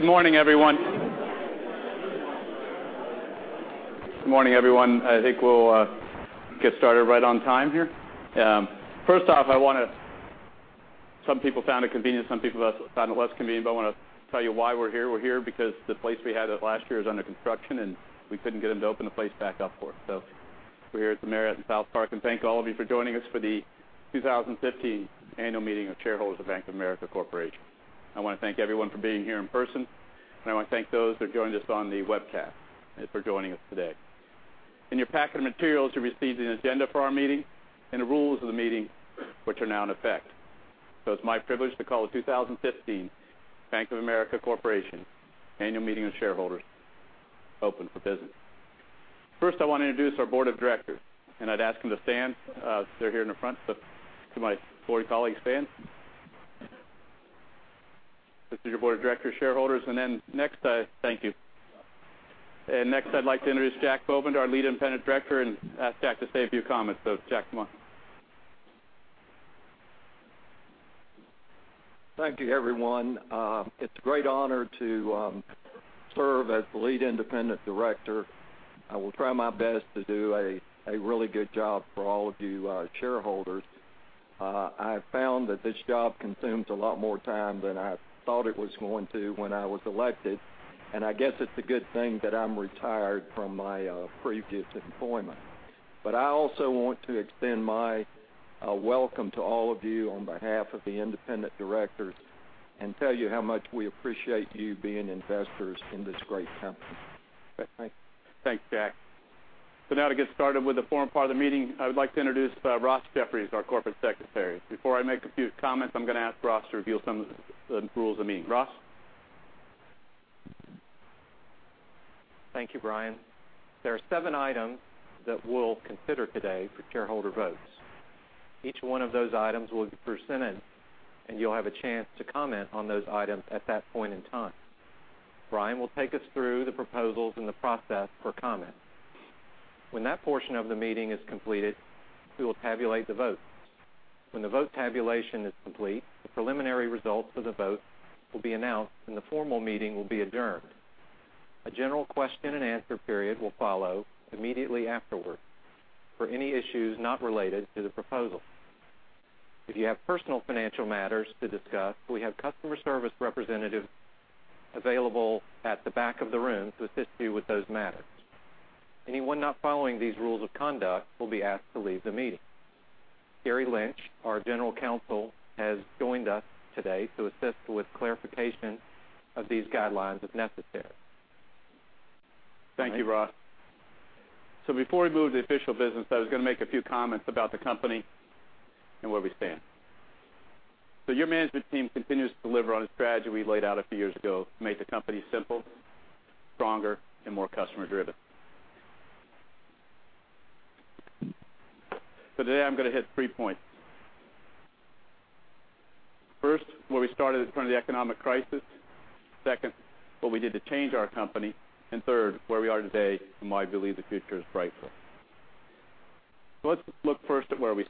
Good morning, everyone. Good morning, everyone. I think we'll get started right on time here. First off, I want to tell you why we're here. Some people found it convenient, some people found it less convenient. We're here because the place we had it last year is under construction, and we couldn't get them to open the place back up for us. We're here at the Marriott in South Park, and thank all of you for joining us for the 2015 annual meeting of shareholders of Bank of America Corporation. I want to thank everyone for being here in person, and I want to thank those that joined us on the webcast for joining us today. In your packet of materials, you received an agenda for our meeting and the rules of the meeting, which are now in effect. It's my privilege to call the 2015 Bank of America Corporation annual meeting of shareholders open for business. First, I want to introduce our board of directors, and I'd ask them to stand. They're here in the front. To my board colleagues, stand. This is your board of directors, shareholders. Thank you. Next, I'd like to introduce Jack Bovender, our lead independent director, and ask Jack to say a few comments. Jack, come on. Thank you, everyone. It's a great honor to serve as the lead independent director. I will try my best to do a really good job for all of you shareholders. I have found that this job consumes a lot more time than I thought it was going to when I was elected, and I guess it's a good thing that I'm retired from my previous employment. I also want to extend my welcome to all of you on behalf of the independent directors and tell you how much we appreciate you being investors in this great company. Thank you. Thanks, Jack. Now to get started with the forum part of the meeting, I would like to introduce Ross Jeffries, our corporate secretary. Before I make a few comments, I'm going to ask Ross to review some of the rules of meeting. Ross? Thank you, Brian. There are seven items that we'll consider today for shareholder votes. Each one of those items will be presented, and you'll have a chance to comment on those items at that point in time. Brian will take us through the proposals and the process for comment. When that portion of the meeting is completed, we will tabulate the votes. When the vote tabulation is complete, the preliminary results of the vote will be announced, and the formal meeting will be adjourned. A general question and answer period will follow immediately afterward for any issues not related to the proposal. If you have personal financial matters to discuss, we have customer service representatives available at the back of the room to assist you with those matters. Anyone not following these rules of conduct will be asked to leave the meeting. Thank you, Ross. Gary Lynch, our General Counsel, has joined us today to assist with clarification of these guidelines if necessary. Thank you, Ross. Before we move to official business, I was going to make a few comments about the company and where we stand. Your management team continues to deliver on a strategy we laid out a few years ago to make the company simple, stronger, and more customer driven. Today, I'm going to hit three points. First, where we started at the front of the economic crisis. Second, what we did to change our company. Third, where we are today and why I believe the future is bright. Let's look first at where we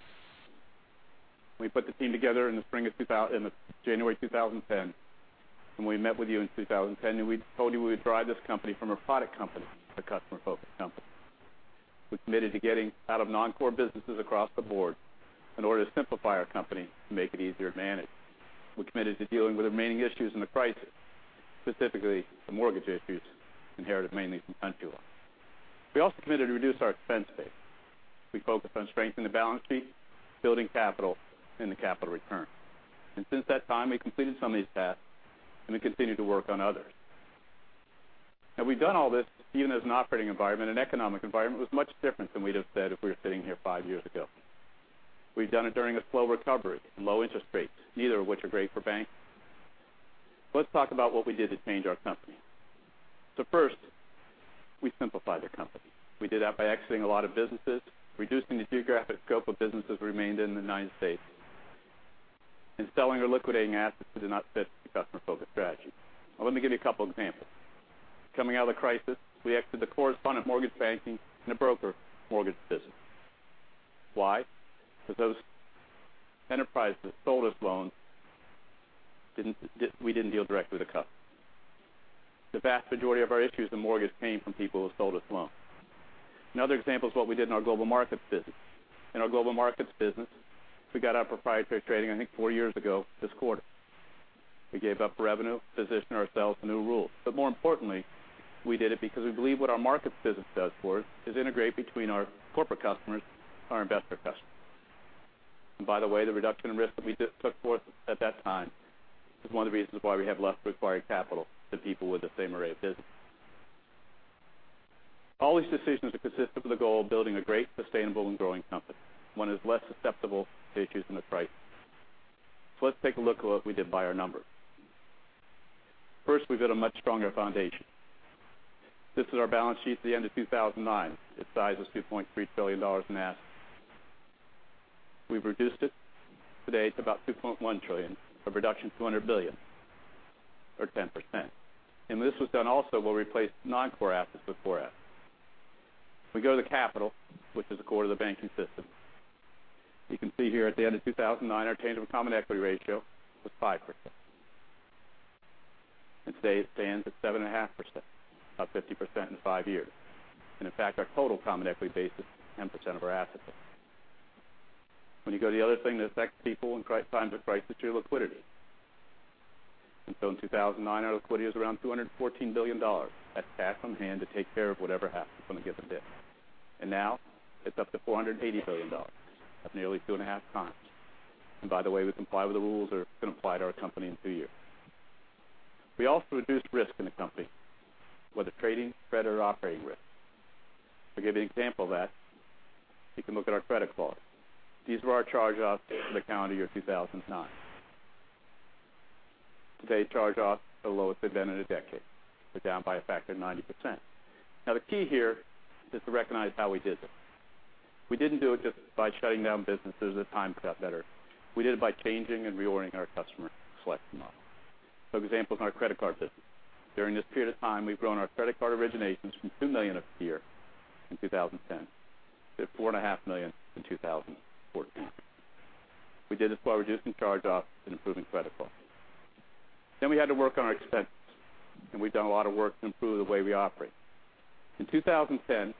put the team together in January 2010. We met with you in 2010, and we told you we would drive this company from a product company to a customer-focused company. We committed to getting out of non-core businesses across the board in order to simplify our company and make it easier to manage. We committed to dealing with the remaining issues in the crisis, specifically the mortgage issues inherited mainly from Countrywide. We also committed to reduce our expense base. We focused on strengthening the balance sheet, building capital, and the capital return. Since that time, we completed some of these tasks, and we continue to work on others. We've done all this even as an operating environment, an economic environment, was much different than we'd have said if we were sitting here five years ago. We've done it during a slow recovery and low interest rates, neither of which are great for banks. Let's talk about what we did to change our company. First, we simplified the company. We did that by exiting a lot of businesses, reducing the geographic scope of businesses remained in the U.S., and selling or liquidating assets that did not fit the customer-focused strategy. Let me give you a couple examples. Coming out of the crisis, we exited the correspondent mortgage banking and the broker mortgage business. Why? Because those enterprises that sold us loans, we didn't deal directly with the customer. The vast majority of our issues in mortgage came from people who sold us loans. Another example is what we did in our global markets business. In our global markets business, we got out of proprietary trading, I think, 4 years ago this quarter. We gave up revenue to position ourselves for new rules. More importantly, we did it because we believe what our markets business does for us is integrate between our corporate customers, our investor customers. By the way, the reduction in risk that we took forth at that time is one of the reasons why we have less required capital than people with the same array of business. All these decisions are consistent with the goal of building a great, sustainable, and growing company. One is less susceptible to issues in the crisis. Let's take a look at what we did by our numbers. First, we built a much stronger foundation. This is our balance sheet at the end of 2009. Its size was $2.3 trillion in assets. We've reduced it today to about $2.1 trillion, a reduction of $200 billion or 10%. This was done also where we replaced non-core assets with core assets. We go to the capital, which is the core of the banking system. You can see here at the end of 2009, our tangible common equity ratio was 5%. Today it stands at 7.5%, up 50% in five years. In fact, our total common equity base is 10% of our assets base. When you go to the other thing that affects people in times of crisis is your liquidity. In 2009, our liquidity was around $214 billion. That's cash on hand to take care of whatever happens on a given day. Now it's up to $480 billion. That's nearly two and a half times. By the way, we comply with the rules that are going to apply to our company in two years. We also reduced risk in the company, whether trading, credit, or operating risk. To give you an example of that, you can look at our credit quality. These were our charge-offs for the calendar year 2009. Today's charge-offs are the lowest they've been in a decade. They're down by a factor of 90%. The key here is to recognize how we did this. We didn't do it just by shutting down businesses as times got better. We did it by changing and reordering our customer selection model. For example, in our credit card business. During this period of time, we've grown our credit card originations from two million a year in 2010 to four and a half million in 2014. We did this while reducing charge-offs and improving credit quality. We had to work on our expenses, and we've done a lot of work to improve the way we operate. In 2010,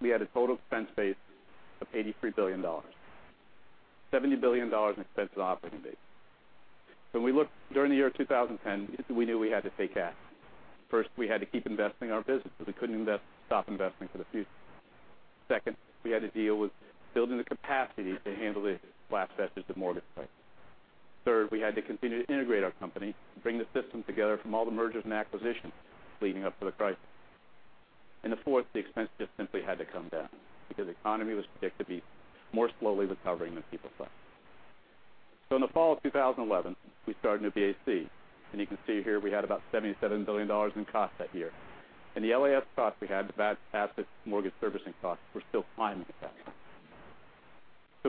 we had a total expense base of $83 billion. $70 billion in expenses operating base. When we looked during the year 2010, we knew we had to take action. First, we had to keep investing in our business because we couldn't stop investing for the future. Second, we had to deal with building the capacity to handle the last vestiges of mortgage crisis. Third, we had to continue to integrate our company to bring the systems together from all the mergers and acquisitions leading up to the crisis. The fourth, the expense just simply had to come down because the economy was predicted to be more slowly recovering than people thought. In the fall of 2011, we started New BAC, and you can see here we had about $77 billion in costs that year. The LAS costs we had, the bad assets mortgage servicing costs, were still climbing at that time.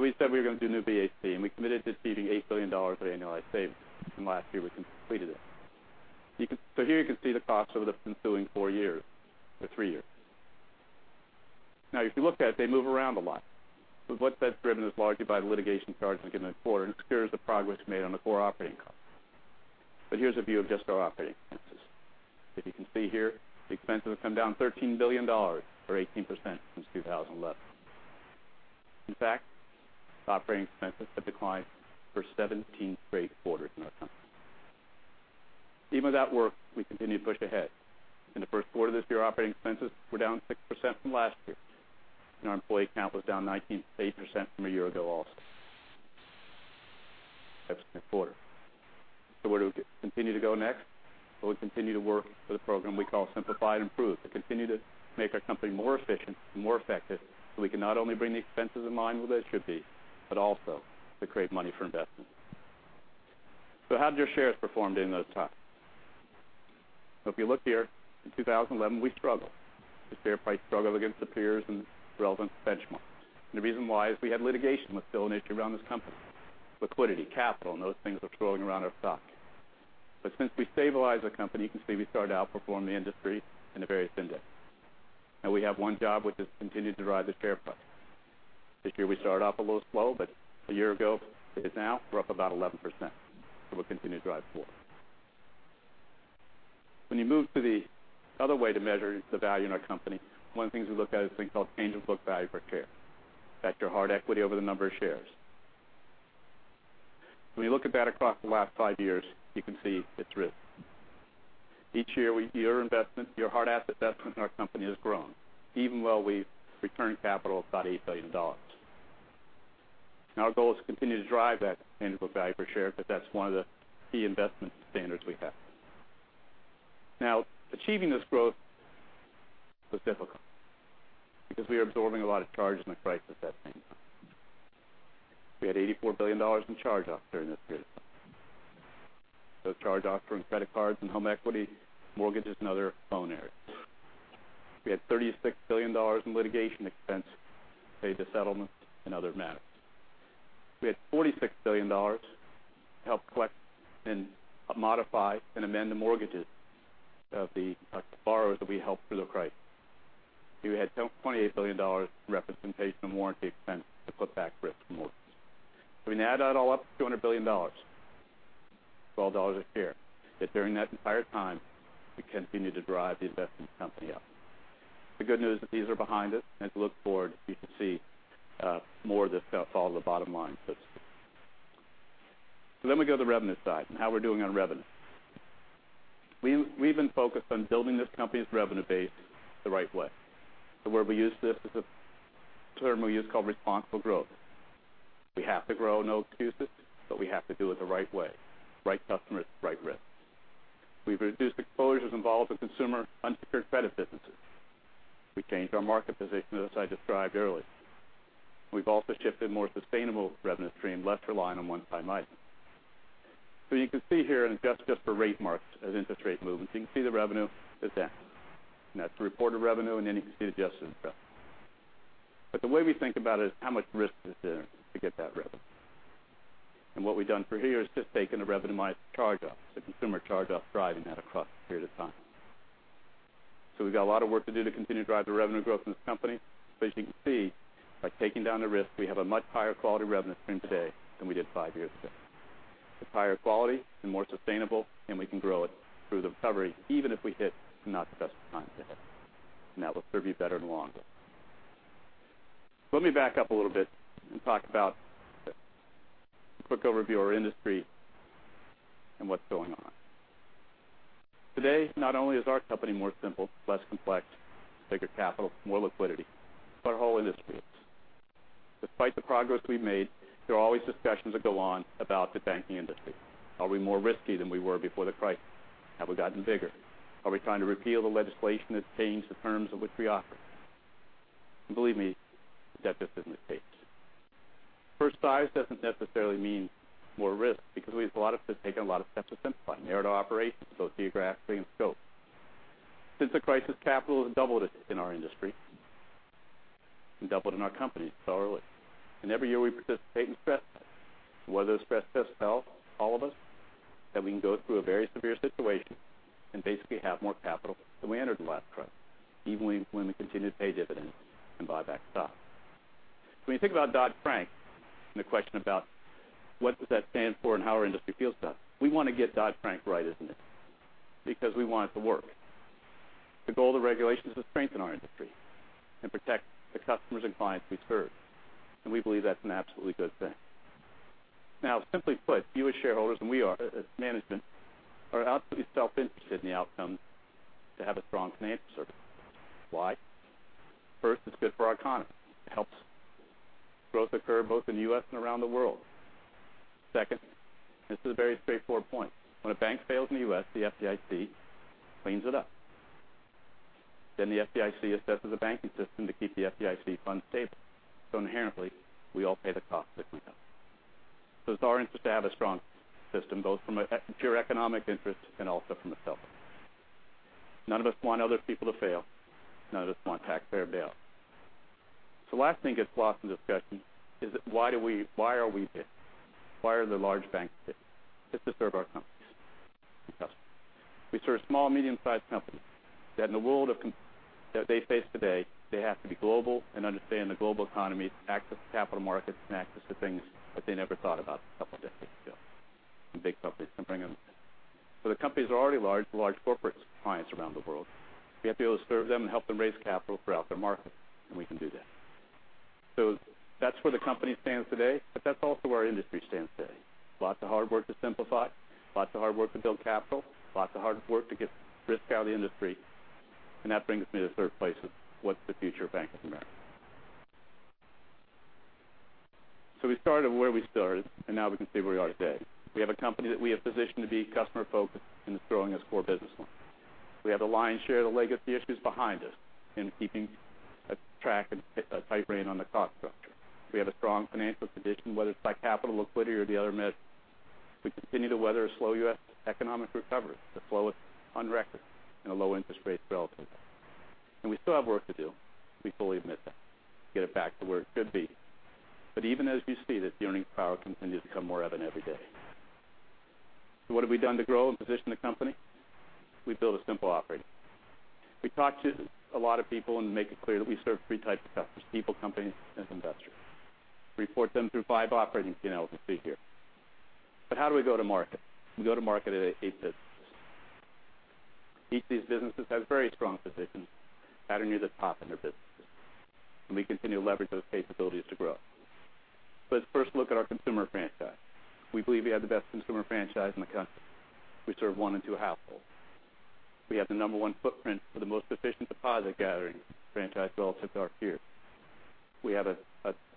We said we were going to do New BAC, and we committed to exceeding $8 billion of annualized savings. Last year we completed it. Here you can see the costs over the ensuing four years or three years. If you look at it, they move around a lot. What that's driven is largely by the litigation charges in the quarter and obscures the progress made on the core operating costs. Here's a view of just our operating expenses. As you can see here, the expenses have come down $13 billion or 18% since 2011. In fact, operating expenses have declined for 17 straight quarters in our company. Even with that work, we continue to push ahead. In the first quarter of this year, operating expenses were down 6% from last year, and our employee count was down 19.8% from a year ago also. Seventh straight quarter. Where do we continue to go next? Well, we continue to work with a program we call Simplify and Improve to continue to make our company more efficient and more effective so we can not only bring the expenses in line where they should be, but also to create money for investments. How have your shares performed during those times? If you look here, in 2011, we struggled. The share price struggled against the peers and relevant benchmarks. The reason why is we had litigation with still an issue around this company. Liquidity, capital, and those things were swirling around our stock. Since we stabilized the company, you can see we started to outperform the industry and the various indexes. We have one job, which is continue to drive the share price. This year we started off a little slow, a year ago to now, we're up about 11%. We'll continue to drive forward. When you move to the other way to measure the value in our company, one of the things we look at is a thing called tangible book value per share. That's your hard equity over the number of shares. When you look at that across the last five years, you can see it's risen. Each year, your investment, your hard asset investment in our company has grown, even while we've returned capital of about $8 billion. Our goal is to continue to drive that tangible book value per share because that's one of the key investment standards we have. Achieving this growth was difficult because we were absorbing a lot of charges in the crisis at that same time. We had $84 billion in charge-offs during this period of time. Those charge-offs were in credit cards and home equity, mortgages, and other loan areas. We had $36 billion in litigation expense to pay the settlements and other matters. We had $46 billion to help collect and modify and amend the mortgages of the borrowers that we helped through the crisis. We had $28 billion in representation and warranty expense to put back risk in mortgages. When you add that all up, $200 billion, $12 a share. Yet during that entire time, we continued to drive the investment in the company up. The good news is that these are behind us, and as we look forward, you can see more of this stuff fall to the bottom line. We go to the revenue side and how we're doing on revenue. We've been focused on building this company's revenue base the right way. The term we use called responsible growth. We have to grow, no excuses, but we have to do it the right way. Right customers, right risks. We've reduced exposures involved with consumer unsecured credit businesses. We changed our market position, as I described earlier. We've also shifted to a more sustainable revenue stream, less reliant on one-time items. You can see here, and it's adjusted for rate marks as interest rate movements. You can see the revenue has danced. That's reported revenue, you can see adjusted revenue. The way we think about it is how much risk is there to get that revenue. What we've done for here is just taken a revenue charge-off, the consumer charge-off driving that across a period of time. We've got a lot of work to do to continue to drive the revenue growth in this company. As you can see, by taking down the risk, we have a much higher quality revenue stream today than we did five years ago. It's higher quality and more sustainable, and we can grow it through the recovery even if we hit not the best of times to hit. That will serve you better in the long run. Let me back up a little bit and talk about a quick overview of our industry and what's going on. Today, not only is our company more simple, less complex, bigger capital, more liquidity, but our whole industry is. Despite the progress we've made, there are always discussions that go on about the banking industry. Are we more risky than we were before the crisis? Have we gotten bigger? Are we trying to repeal the legislation that changed the terms of which we operate? Believe me, that just isn't the case. First, size doesn't necessarily mean more risk because we've taken a lot of steps to simplify, narrow to operations, both geographically and scope. Since the crisis, capital has doubled in our industry and doubled in our company thoroughly. Every year we participate in stress tests. What those stress tests tell all of us, that we can go through a very severe situation and basically have more capital than we entered the last crisis, even when we continue to pay dividends and buy back stock. When you think about Dodd-Frank and the question about what does that stand for and how our industry feels about it, we want to get Dodd-Frank right, isn't it? Because we want it to work. The goal of the regulation is to strengthen our industry and protect the customers and clients we serve. We believe that's an absolutely good thing. Simply put, you as shareholders, and we are as management, are absolutely self-interested in the outcome to have a strong financial service. Why? First, it's good for our economy. It helps growth occur both in the U.S. and around the world. Second, this is a very straightforward point. When a bank fails in the U.S., the FDIC cleans it up. The FDIC assesses a banking system to keep the FDIC funds stable. Inherently, we all pay the cost if it went down. It's our interest to have a strong system, both from a pure economic interest and also from a self. None of us want other people to fail. None of us want taxpayer bail. The last thing gets lost in discussion is why are we big? Why are the large banks big? It's to serve our companies and customers. We serve small, medium-sized companies, that in the world that they face today, they have to be global and understand the global economy to access the capital markets and access the things that they never thought about a couple of decades ago, and big companies can bring them. The companies are already large, the large corporate clients around the world. We have to be able to serve them and help them raise capital throughout their market, and we can do that. That's where the company stands today, but that's also where our industry stands today. Lots of hard work to simplify, lots of hard work to build capital, lots of hard work to get risk out of the industry. That brings me to the third place of what's the future of Bank of America. We started where we started, and now we can see where we are today. We have a company that we have positioned to be customer-focused and is growing its core business line. We have the lion's share of the legacy issues behind us in keeping a track and a tight rein on the cost structure. We have a strong financial condition, whether it's by capital, liquidity, or the other measures. We continue to weather a slow U.S. economic recovery, the slowest on record, and a low interest rate relatively. We still have work to do. We fully admit that, to get it back to where it should be. Even as we see that the earnings power continues to come more evident every day. What have we done to grow and position the company? We built a simple operating. We talked to a lot of people and make it clear that we serve three types of customers, people, companies, and investors. We report them through five operating P&Ls as we speak here. How do we go to market? We go to market at 8 businesses. Each of these businesses has very strong positions, positioned near the top in their businesses, and we continue to leverage those capabilities to grow. Let's first look at our consumer franchise. We believe we have the best consumer franchise in the country. We serve 1 in 2 households. We have the number 1 footprint for the most efficient deposit-gathering franchise relative to our peers. We have a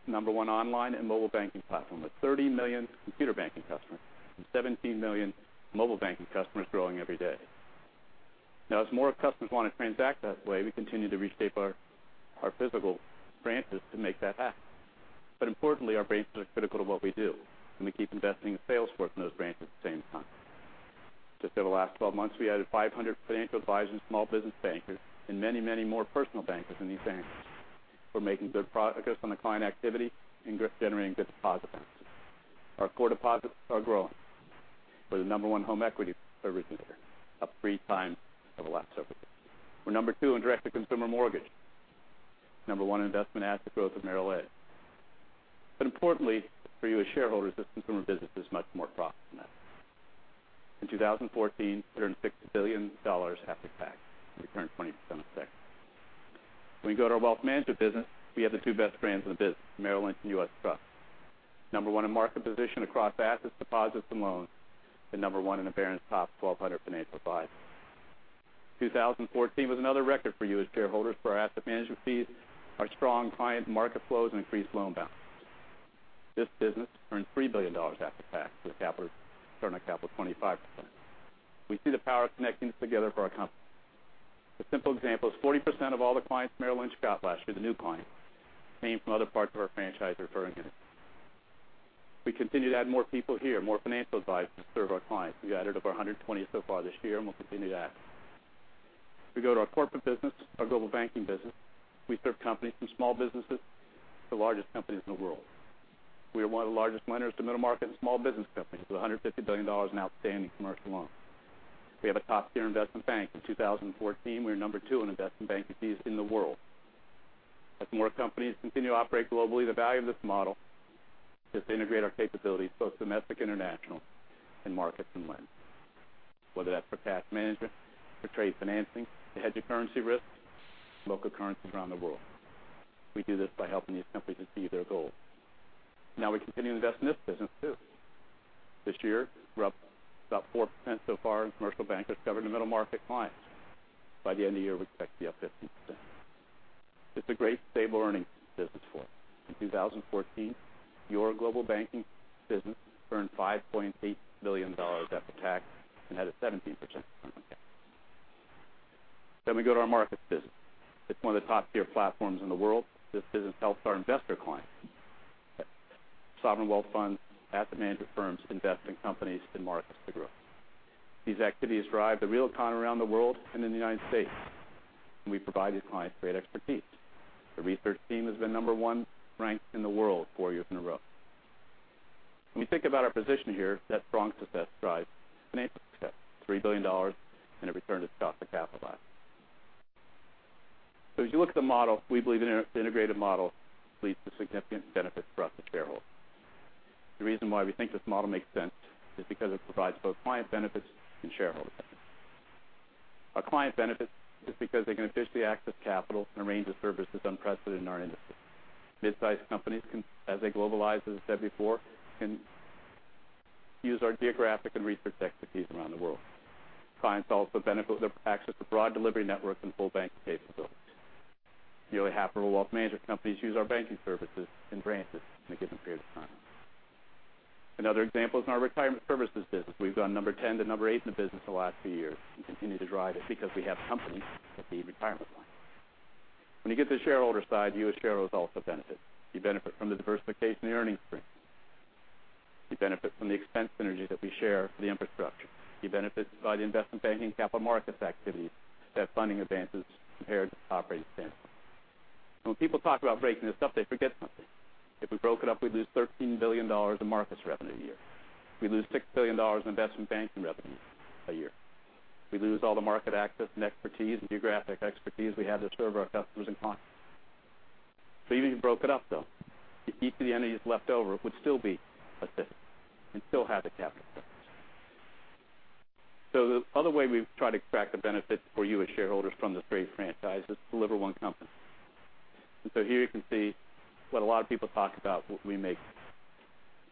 number one online and mobile banking platform with 30 million computer banking customers and 17 million mobile banking customers growing every day. Now, as more customers want to transact that way, we continue to reshape our physical branches to make that happen. But importantly, our branches are critical to what we do, and we keep investing in sales force in those branches at the same time. Just over the last 12 months, we added 500 financial advisors and small business bankers, and many, many more personal bankers in these banks. We're making good progress on the client activity and generating good deposit balances. Our core deposits are growing. We're the number one home equity servicer, up three times over the last several years. We're number two in direct-to-consumer mortgage, number one in investment asset growth in Merrill Edge. Importantly for you as shareholders, this consumer business is much more profitable than that. In 2014, it earned $6 billion after tax and returned 20% of ROE. When we go to our wealth management business, we have the two best brands in the business, Merrill Lynch and U.S. Trust. Number one in market position across assets, deposits, and loans, and number one in a Barron's Top 1,200 Financial Advisors. 2014 was another record for you as shareholders for our asset management fees, our strong client market flows, and increased loan balances. This business earned $3 billion after tax, returning a capital of 25%. We see the power of connecting this together for our company. The simple example is 40% of all the clients Merrill Lynch got last year, the new clients, came from other parts of our franchise referring it. We continue to add more people here, more financial advisors to serve our clients. We've added over 120 so far this year, and we'll continue to add. If we go to our corporate business, our Global Banking business, we serve companies from small businesses to the largest companies in the world. We are one of the largest lenders to middle-market and small business companies, with $150 billion in outstanding commercial loans. We have a top-tier investment bank. In 2014, we were number two in investment bank fees in the world. As more companies continue to operate globally, the value of this model is to integrate our capabilities, both domestic and international, in markets and lending. Whether that's for cash management, for trade financing, to hedge your currency risk, local currencies around the world. We do this by helping these companies achieve their goals. We continue to invest in this business, too. This year, we're up about 4% so far in commercial bankers covering the middle-market clients. By the end of the year, we expect to be up 15%. It's a great stable earnings business for us. In 2014, your Global Banking business earned $5.8 billion after tax and had a 17% return on capital. We go to our markets business. It's one of the top-tier platforms in the world. This business helps our investor clients, sovereign wealth funds, asset management firms invest in companies and markets to grow. These activities drive the real economy around the world and in the United States, and we provide these clients great expertise. The research team has been number one ranked in the world four years in a row. When we think about our position here, that strong success drives financial success. $3 billion and a return to cost of capital. [inaudible] As you look at the model, we believe an integrated model leads to significant benefits for us as shareholders. The reason why we think this model makes sense is because it provides both client benefits and shareholder benefits. Our client benefits is because they can efficiently access capital and a range of services unprecedented in our industry. Mid-sized companies can, as they globalize, as I said before, can use our geographic and research expertise around the world. Clients also benefit with access to broad delivery networks and full banking capabilities. Nearly half of our wealth management companies use our banking services and branches in a given period of time. Another example is in our retirement services business. We've gone number 10 to number 8 in the business the last few years and continue to drive it because we have companies that need retirement planning. When you get to the shareholder side, you as shareholders also benefit. You benefit from the diversification and earnings stream. You benefit from the expense synergy that we share for the infrastructure. You benefit by the investment banking and capital markets activity that funding advances compared to operating standpoint. When people talk about breaking this up, they forget something. If we broke it up, we'd lose $13 billion in markets revenue a year. We'd lose $6 billion in investment banking revenue a year. We'd lose all the market access and expertise and geographic expertise we have to serve our customers and clients. Even if you broke it up, though, each of the entities left over would still be a system and still have the capital pressures. The other way we've tried to extract the benefits for you as shareholders from this great franchise is deliver one company. Here you can see what a lot of people talk about, what we make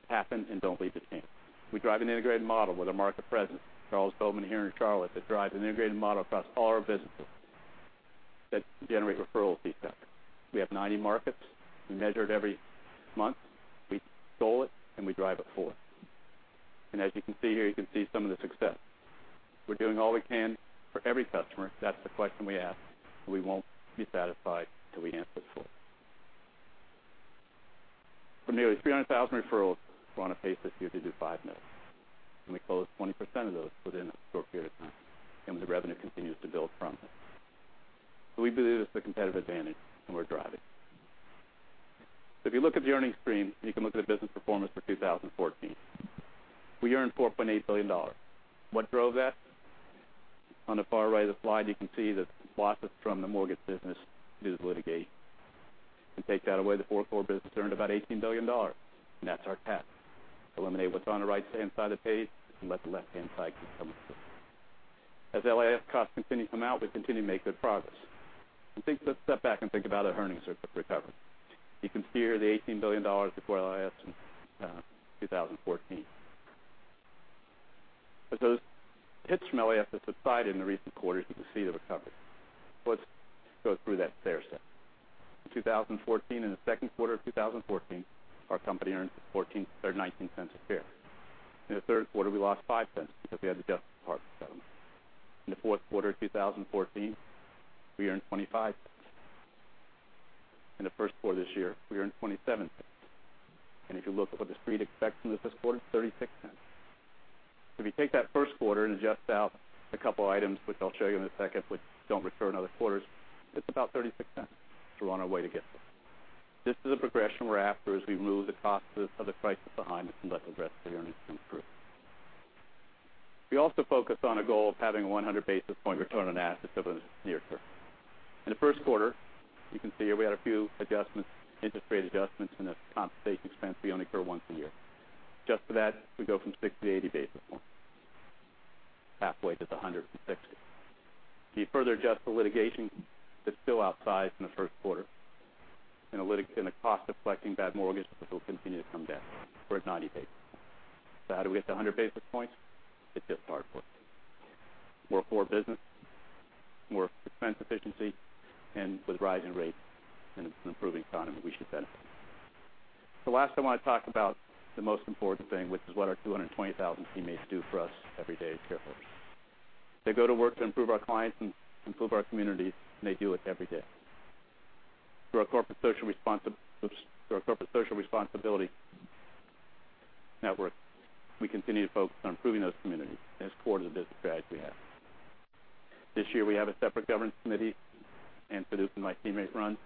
happen and don't leave to chance. We drive an integrated model with a market presence. Charles Bowman here in Charlotte that drives an integrated model across all our businesses that generate referral fees back. We have 90 markets. We measure it every month. We score it, and we drive it forward. As you can see here, you can see some of the success. We're doing all we can for every customer. That's the question we ask, and we won't be satisfied till we answer this fully. From nearly 300,000 referrals, we're on a pace this year to do $5 million, and we close 20% of those within a short period of time, and the revenue continues to build from it. We believe this is a competitive advantage, and we're driving. If you look at the earnings stream, you can look at the business performance for 2014. We earned $4.8 billion. What drove that? On the far right of the slide, you can see that the losses from the mortgage business due to litigation. If you take that away, the core of the business earned about $18 billion, and that's our path. Eliminate what's on the right-hand side of the page, and let the left-hand side keep coming through. As LAS costs continue to come out, we continue to make good progress. Let's step back and think about our earnings recovery. You can see here the $18 billion before LAS in 2014. As those hits from LAS have subsided in the recent quarters, you can see the recovery. Let's go through that stair-step. In 2014, in the second quarter of 2014, our company earned $0.19 a share. In the third quarter, we lost $0.05 because we had the Justice Department settlement. In the fourth quarter of 2014, we earned $0.25. In the first quarter this year, we earned $0.27. If you look at what the Street expects from the first quarter, $0.36. If you take that first quarter and adjust out a couple items, which I'll show you in a second, which don't recur in other quarters, it's about $0.36. We're on our way to get there. This is a progression we're after as we move the costs of the crisis behind us and let the rest of the earnings come through. We also focus on a goal of having a 100 basis point return on assets over the near term. In the first quarter, you can see here we had a few adjustments, interest rate adjustments, and a compensation expense we only incur once a year. Adjust for that, we go from 60-80 basis points, halfway to the [100 basis points]. If you further adjust for litigation that's still outsized in the first quarter and the cost of collecting bad mortgages, which will continue to come down. We're at 90 basis points. How do we get to 100 basis points? It's just hard work. More core business, more expense efficiency, and with rising rates and an improving economy, we should benefit. Last, I want to talk about the most important thing, which is what our 220,000 teammates do for us every day as caregivers. They go to work to improve our clients and improve our communities, and they do it every day. Through our corporate social responsibility network, we continue to focus on improving those communities and as core to the business strategy as we have. This year, we have a separate governance committee, and [inaudible] and my teammate run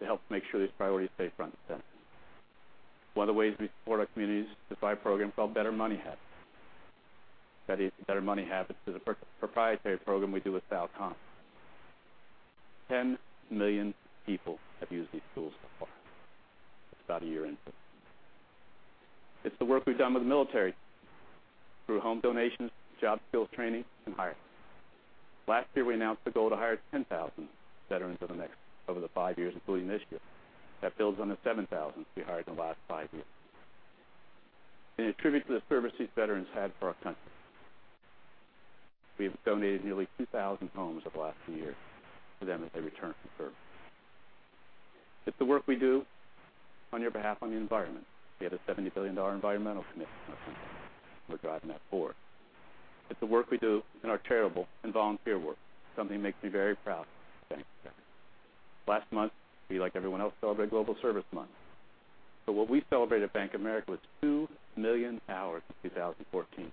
to help make sure these priorities stay front and center. One of the ways we support our communities is by a program called Better Money Habits. That is, Better Money Habits is a proprietary program we do with Khan Academy. 10 million people have used these tools so far. It's about a year into it. It's the work we've done with the military through home donations, job skills training, and hiring. Last year, we announced the goal to hire 10,000 veterans over the five years, including this year. That builds on the 7,000 we hired in the last five years. In a tribute to the service these veterans had for our country, we've donated nearly 2,000 homes over the last few years to them as they return from service. It's the work we do on your behalf on the environment. We have a $70 billion environmental commitment, and we're driving that forward. It's the work we do in our charitable and volunteer work. Something that makes me very proud. Thanks, guys. Last month, we, like everyone else, celebrated Global Service Month. What we celebrate at Bank of America was 2 million hours in 2014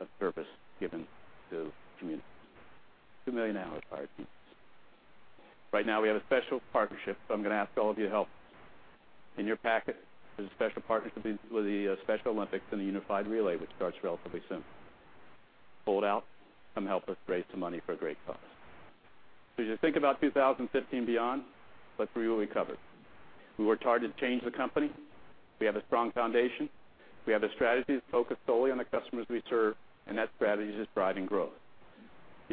of service given to communities. Two million hours by our teams. Right now, we have a special partnership, I'm going to ask all of your help. In your packet, there's a special partnership with the Special Olympics and the Unified Relay, which starts relatively soon. Pull it out, come help us raise some money for a great cause. As you think about 2015 beyond, let's review what we covered. We worked hard to change the company. We have a strong foundation. We have a strategy that's focused solely on the customers we serve, and that strategy is driving growth.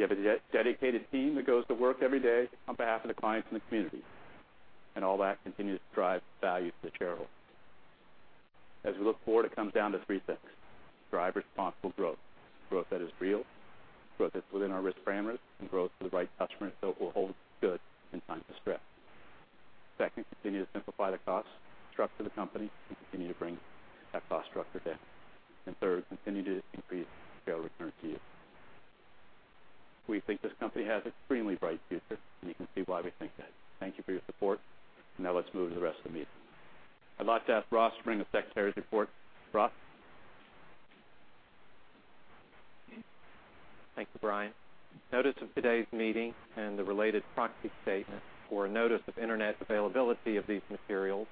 We have a dedicated team that goes to work every day on behalf of the clients and the community, and all that continues to drive value to the shareholders. As we look forward, it comes down to three things. Drive responsible growth that is real, growth that's within our risk parameters, growth to the right customers, it will hold good in times of stress. Second, continue to simplify the cost structure of the company and continue to bring that cost structure down. Third, continue to increase share return to you. We think this company has extremely bright future, and you can see why we think that. Thank you for your support. Let's move to the rest of the meeting. I'd like to ask Ross to bring the secretary's report. Ross? Thank you, Brian. Notice of today's meeting and the related proxy statement or notice of internet availability of these materials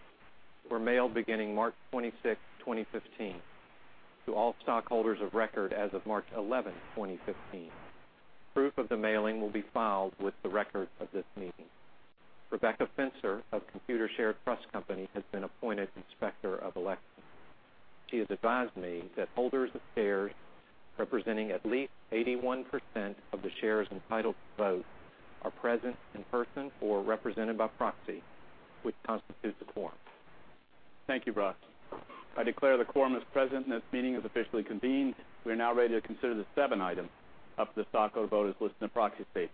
were mailed beginning March 26, 2015, to all stockholders of record as of March 11, 2015. Proof of the mailing will be filed with the record of this meeting. Rebecca Fencer of Computershare Trust Company has been appointed Inspector of Election. She has advised me that holders of shares representing at least 81% of the shares entitled to vote are present in person or represented by proxy, which constitutes a quorum. Thank you, Ross. I declare the quorum is present and this meeting is officially convened. We are now ready to consider the seven items up for the stockholder vote as listed in the proxy statement.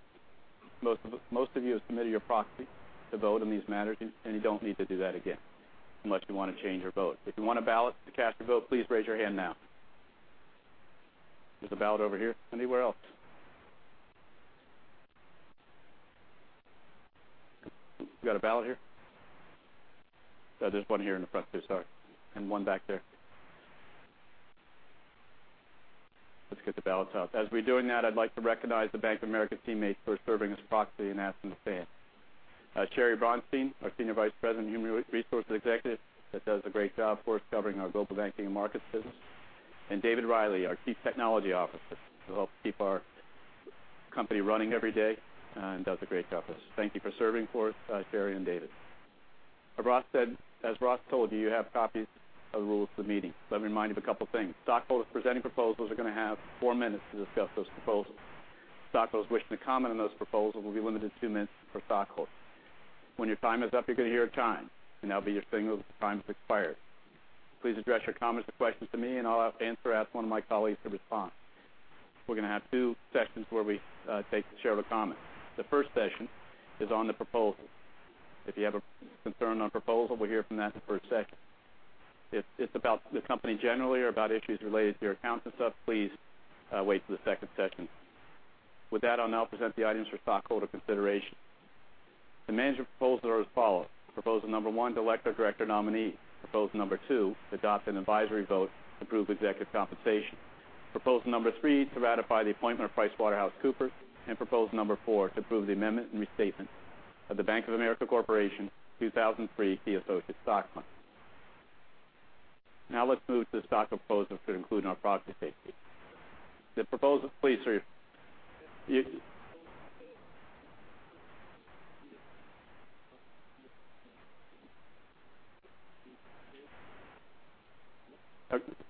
Most of you have submitted your proxy to vote on these matters, you don't need to do that again unless you want to change your vote. If you want a ballot to cast your vote, please raise your hand now. There's a ballot over here. Anywhere else? We got a ballot here. There's one here in the front too. Sorry. One back there. Let's get the ballots out. As we're doing that, I'd like to recognize the Bank of America teammates who are serving as proxy and ask them to stand. Sheri Bronstein, our Senior Vice President and Human Resources Executive, that does a great job for us covering our global banking and markets business, and David Riley, our Chief Technology Officer, who helps keep our company running every day and does a great job for us. Thank you for serving for us, Sheri and David. As Ross told you have copies of the rules of the meeting. Let me remind you of a couple of things. Stockholders presenting proposals are going to have four minutes to discuss those proposals. Stockholders wishing to comment on those proposals will be limited to two minutes per stockholder. When your time is up, you're going to hear a chime, and that'll be your signal that the time is expired. Please address your comments or questions to me, I'll either answer or ask one of my colleagues to respond. We're going to have two sessions where we take shareholder comments. The first session is on the proposals. If you have a concern on a proposal, we'll hear from that in the first session. If it's about the company generally or about issues related to your accounts and stuff, please wait for the second session. With that, I'll now present the items for stockholder consideration. The management proposals are as follows. Proposal number one, to elect our director nominee. Proposal number two, to adopt an advisory vote to approve executive compensation. Proposal number three, to ratify the appointment of PricewaterhouseCoopers. Proposal number four, to approve the amendment and restatement of the Bank of America Corporation 2003 Key Associate Stock Plan. Now let's move to the stockholder proposals that are included in our proxy statement.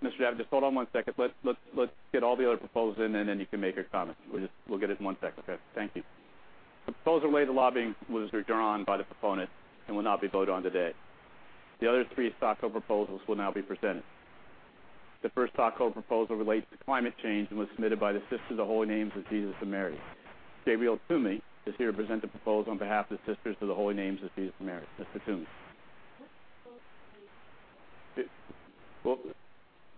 Mr. Davitt, just hold on one second. Let's get all the other proposals in, then you can make your comments. We'll get it in one second, okay? Thank you. The proposal related to lobbying was withdrawn by the proponent and will not be voted on today. The other three stockholder proposals will now be presented. The first stockholder proposal relates to climate change and was submitted by the Sisters of the Holy Names of Jesus and Mary. Gabriel Toomey is here to present the proposal on behalf of the Sisters of the Holy Names of Jesus and Mary. Mr. Toomey.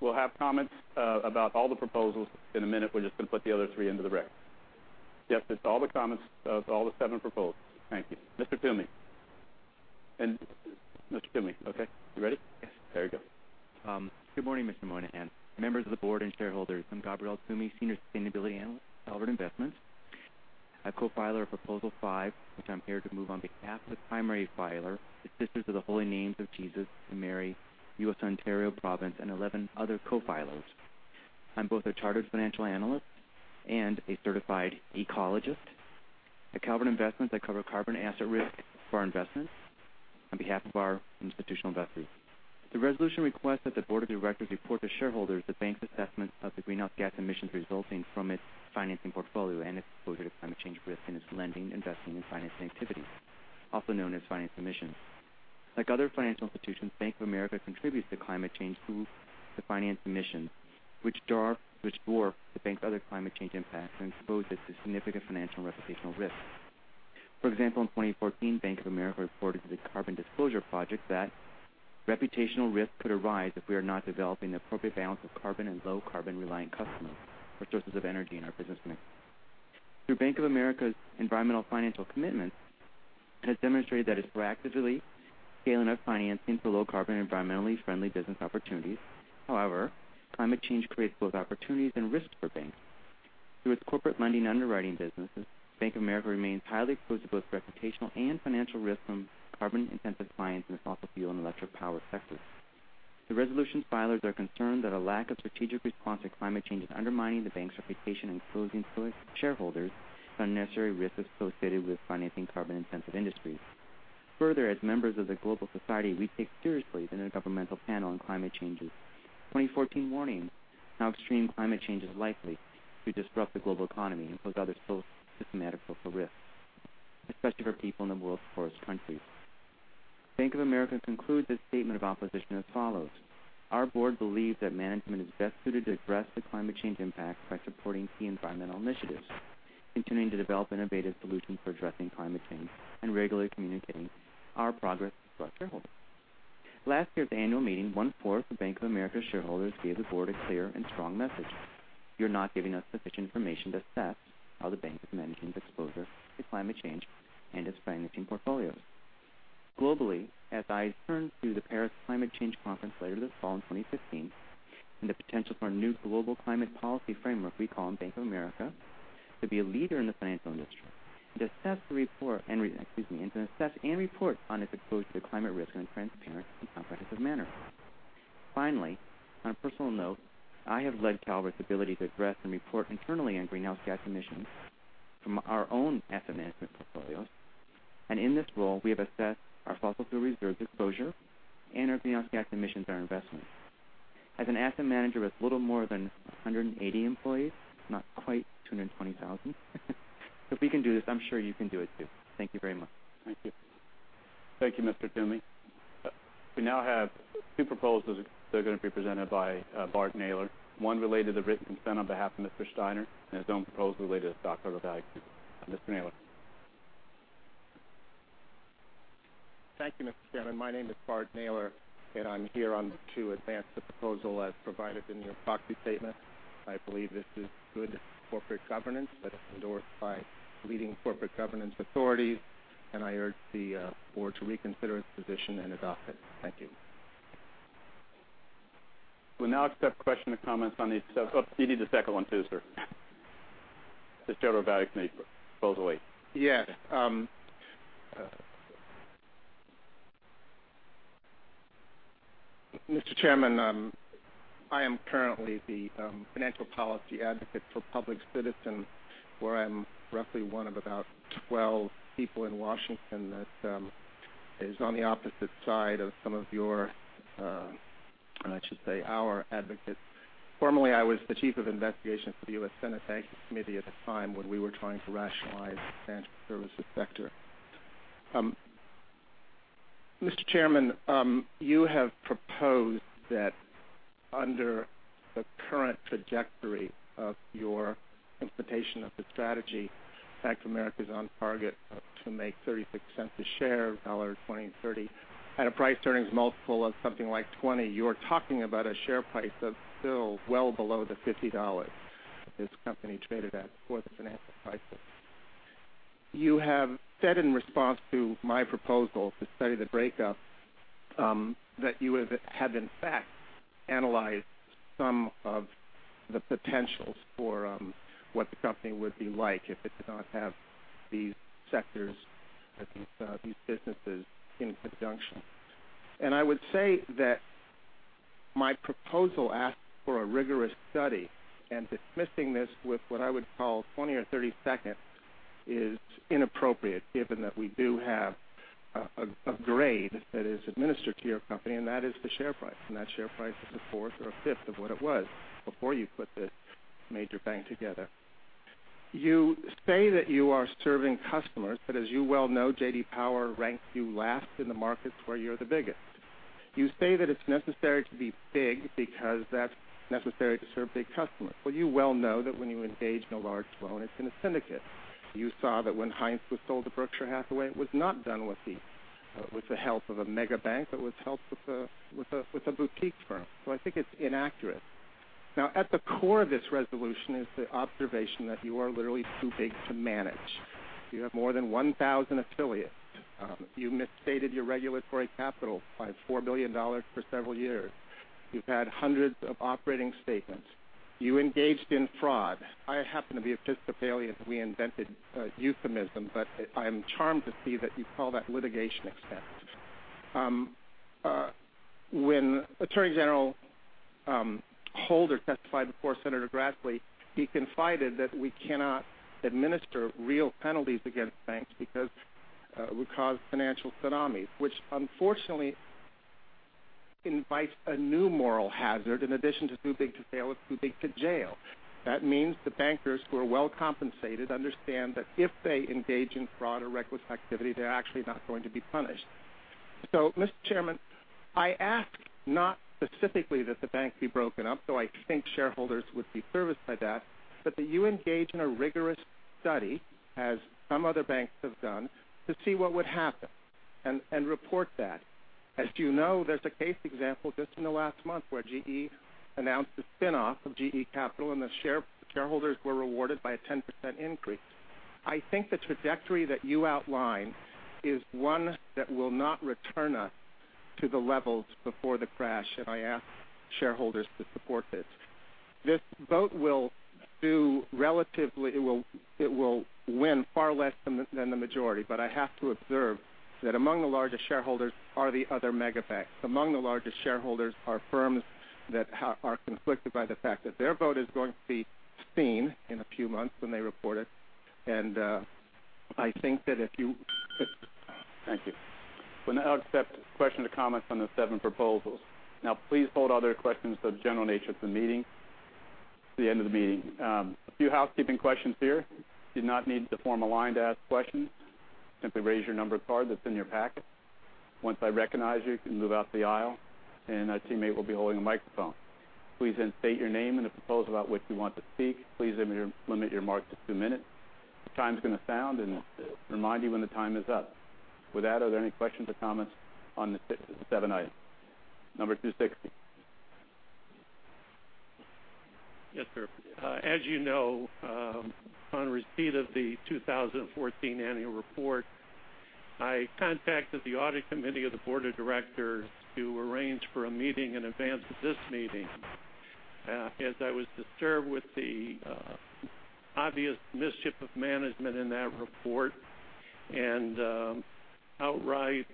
We'll have comments about all the proposals in a minute. We're just going to put the other three into the record. Yes, it's all the comments of all the seven proposals. Thank you. Mr. Thoumi. Mr. Thoumi, okay. You ready? Yes. There you go. Good morning, Mr. Moynihan, members of the board, and shareholders. I'm Gabriel Toomey, Senior Sustainability Analyst at Calvert Investments. I co-filer Proposal Five, which I'm here to move on behalf of the primary filer, the Sisters of the Holy Names of Jesus and Mary, U.S. Ontario Province, and 11 other co-filers. I'm both a chartered financial analyst and a certified ecologist. At Calvert Investments, I cover carbon asset risk for our investments on behalf of our institutional investors. The resolution requests that the board of directors report to shareholders the bank's assessments of the greenhouse gas emissions resulting from its financing portfolio and its exposure to climate change risk in its lending, investing, and financing activities, also known as financed emissions. Like other financial institutions, Bank of America contributes to climate change through the financed emissions, which dwarf the bank's other climate change impacts and expose it to significant financial reputational risks. For example, in 2014, Bank of America reported to the Carbon Disclosure Project that reputational risk could arise if we are not developing the appropriate balance of carbon and low carbon-reliant customers for sources of energy in our business mix. Through Bank of America's environmental financial commitments, it has demonstrated that it's proactively scaling up financing for low carbon, environmentally friendly business opportunities. However, climate change creates both opportunities and risks for banks. Through its corporate lending underwriting businesses, Bank of America remains highly exposed to both reputational and financial risk from carbon-intensive clients in the fossil fuel and electric power sectors. The resolution filers are concerned that a lack of strategic response to climate change is undermining the bank's reputation and exposing shareholders to unnecessary risks associated with financing carbon-intensive industries. Further, as members of the global society, we take seriously the Intergovernmental Panel on Climate Change's 2014 warning how extreme climate change is likely to disrupt the global economy and pose other systematic social risks, especially for people in the world's poorest countries. Bank of America concludes its statement of opposition as follows: "Our board believes that management is best suited to address the climate change impact by supporting key environmental initiatives, continuing to develop innovative solutions for addressing climate change, and regularly communicating our progress to our shareholders." Last year's annual meeting, one-fourth of Bank of America shareholders gave the board a clear and strong message: You're not giving us sufficient information to assess how the bank is managing its exposure to climate change and its financing portfolios. Globally, as eyes turn to the Paris Climate Change Conference later this fall in 2015 and the potential for a new global climate policy framework, we call on Bank of America to be a leader in the financial industry and to assess and report on its exposure to climate risk in a transparent and comprehensive manner. Finally, on a personal note, I have led Calvert's ability to address and report internally on greenhouse gas emissions from our own asset management portfolios. In this role, we have assessed our fossil fuel reserves exposure and our greenhouse gas emissions, our investments. As an asset manager with a little more than 180 employees, not quite 220,000 if we can do this, I'm sure you can do it too. Thank you very much. Thank you. Thank you, Mr. Thoumi. We now have two proposals that are going to be presented by Bart Naylor. One related to the written consent on behalf of Mr. Steiner and his own proposal related to stockholder value. Mr. Naylor. Thank you, Mr. Chairman. My name is Bart Naylor. I'm here to advance the proposal as provided in your proxy statement. I believe this is good corporate governance that is endorsed by leading corporate governance authorities. I urge the board to reconsider its position and adopt it. Thank you. We'll now accept questions or comments on these. Oh, you need the second one too, sir. The shareholder value creation proposal eight. Yes. Mr. Chairman, I am currently the financial policy advocate for Public Citizen, where I'm roughly one of about 12 people in Washington that is on the opposite side of some of your, and I should say our advocates. Formerly, I was the chief of investigations for the U.S. Senate Committee on Banking, Housing, and Urban Affairs at the time when we were trying to rationalize the financial services sector. Mr. Chairman, you have proposed that under the current trajectory of your implementation of the strategy, Bank of America's on target to make $0.36 a share in 2030. At a price earnings multiple of something like 20, you're talking about a share price that's still well below the $50 this company traded at before the financial crisis. You have said in response to my proposal to study the breakup, that you have in fact analyzed some of the potentials for what the company would be like if it did not have these sectors or these businesses in conjunction. I would say that my proposal asks for a rigorous study and dismissing this with what I would call 20 or 30 seconds is inappropriate given that we do have a grade that is administered to your company and that is the share price. That share price is a fourth or a fifth of what it was before you put this major bank together. You say that you are serving customers, as you well know, J.D. Power ranks you last in the markets where you're the biggest. You say that it's necessary to be big because that's necessary to serve big customers. Well, you well know that when you engage in a large loan, it's in a syndicate. You saw that when Heinz was sold to Berkshire Hathaway, it was not done with the help of a mega bank, but was helped with a boutique firm. I think it's inaccurate. Now, at the core of this resolution is the observation that you are literally too big to manage. You have more than 1,000 affiliates. You misstated your regulatory capital by $4 billion for several years. You've had hundreds of operating statements. You engaged in fraud. I happen to be Episcopalian, I'm charmed to see that you call that litigation expense. When Attorney General Holder testified before Senator Grassley, he confided that we cannot administer real penalties against banks because it would cause financial tsunamis, which unfortunately invites a new moral hazard in addition to too big to fail or too big to jail. That means the bankers who are well compensated understand that if they engage in fraud or reckless activity, they're actually not going to be punished. Mr. Chairman, I ask not specifically that the bank be broken up, though I think shareholders would be serviced by that, but that you engage in a rigorous study, as some other banks have done, to see what would happen, and report that. As you know, there's a case example just in the last month where GE announced the spin-off of GE Capital, and the shareholders were rewarded by a 10% increase. I think the trajectory that you outline is one that will not return us to the levels before the crash, and I ask shareholders to support this. This vote will win far less than the majority. I have to observe that among the largest shareholders are the other mega banks. Among the largest shareholders are firms that are conflicted by the fact that their vote is going to be seen in a few months when they report it. Thank you. We'll now accept questions or comments on the seven proposals. Please hold other questions of the general nature to the end of the meeting. A few housekeeping questions here. You do not need to form a line to ask questions. Simply raise your numbered card that's in your packet. Once I recognize you can move up the aisle, and a teammate will be holding a microphone. Please then state your name and the proposal about which you want to speak. Please limit your remarks to two minutes. The chime's going to sound and remind you when the time is up. With that, are there any questions or comments on the seven items? Number 260. Yes, sir. As you know, on receipt of the 2014 annual report, I contacted the audit committee of the board of directors to arrange for a meeting in advance of this meeting, as I was disturbed with the obvious mischief of management in that report and outright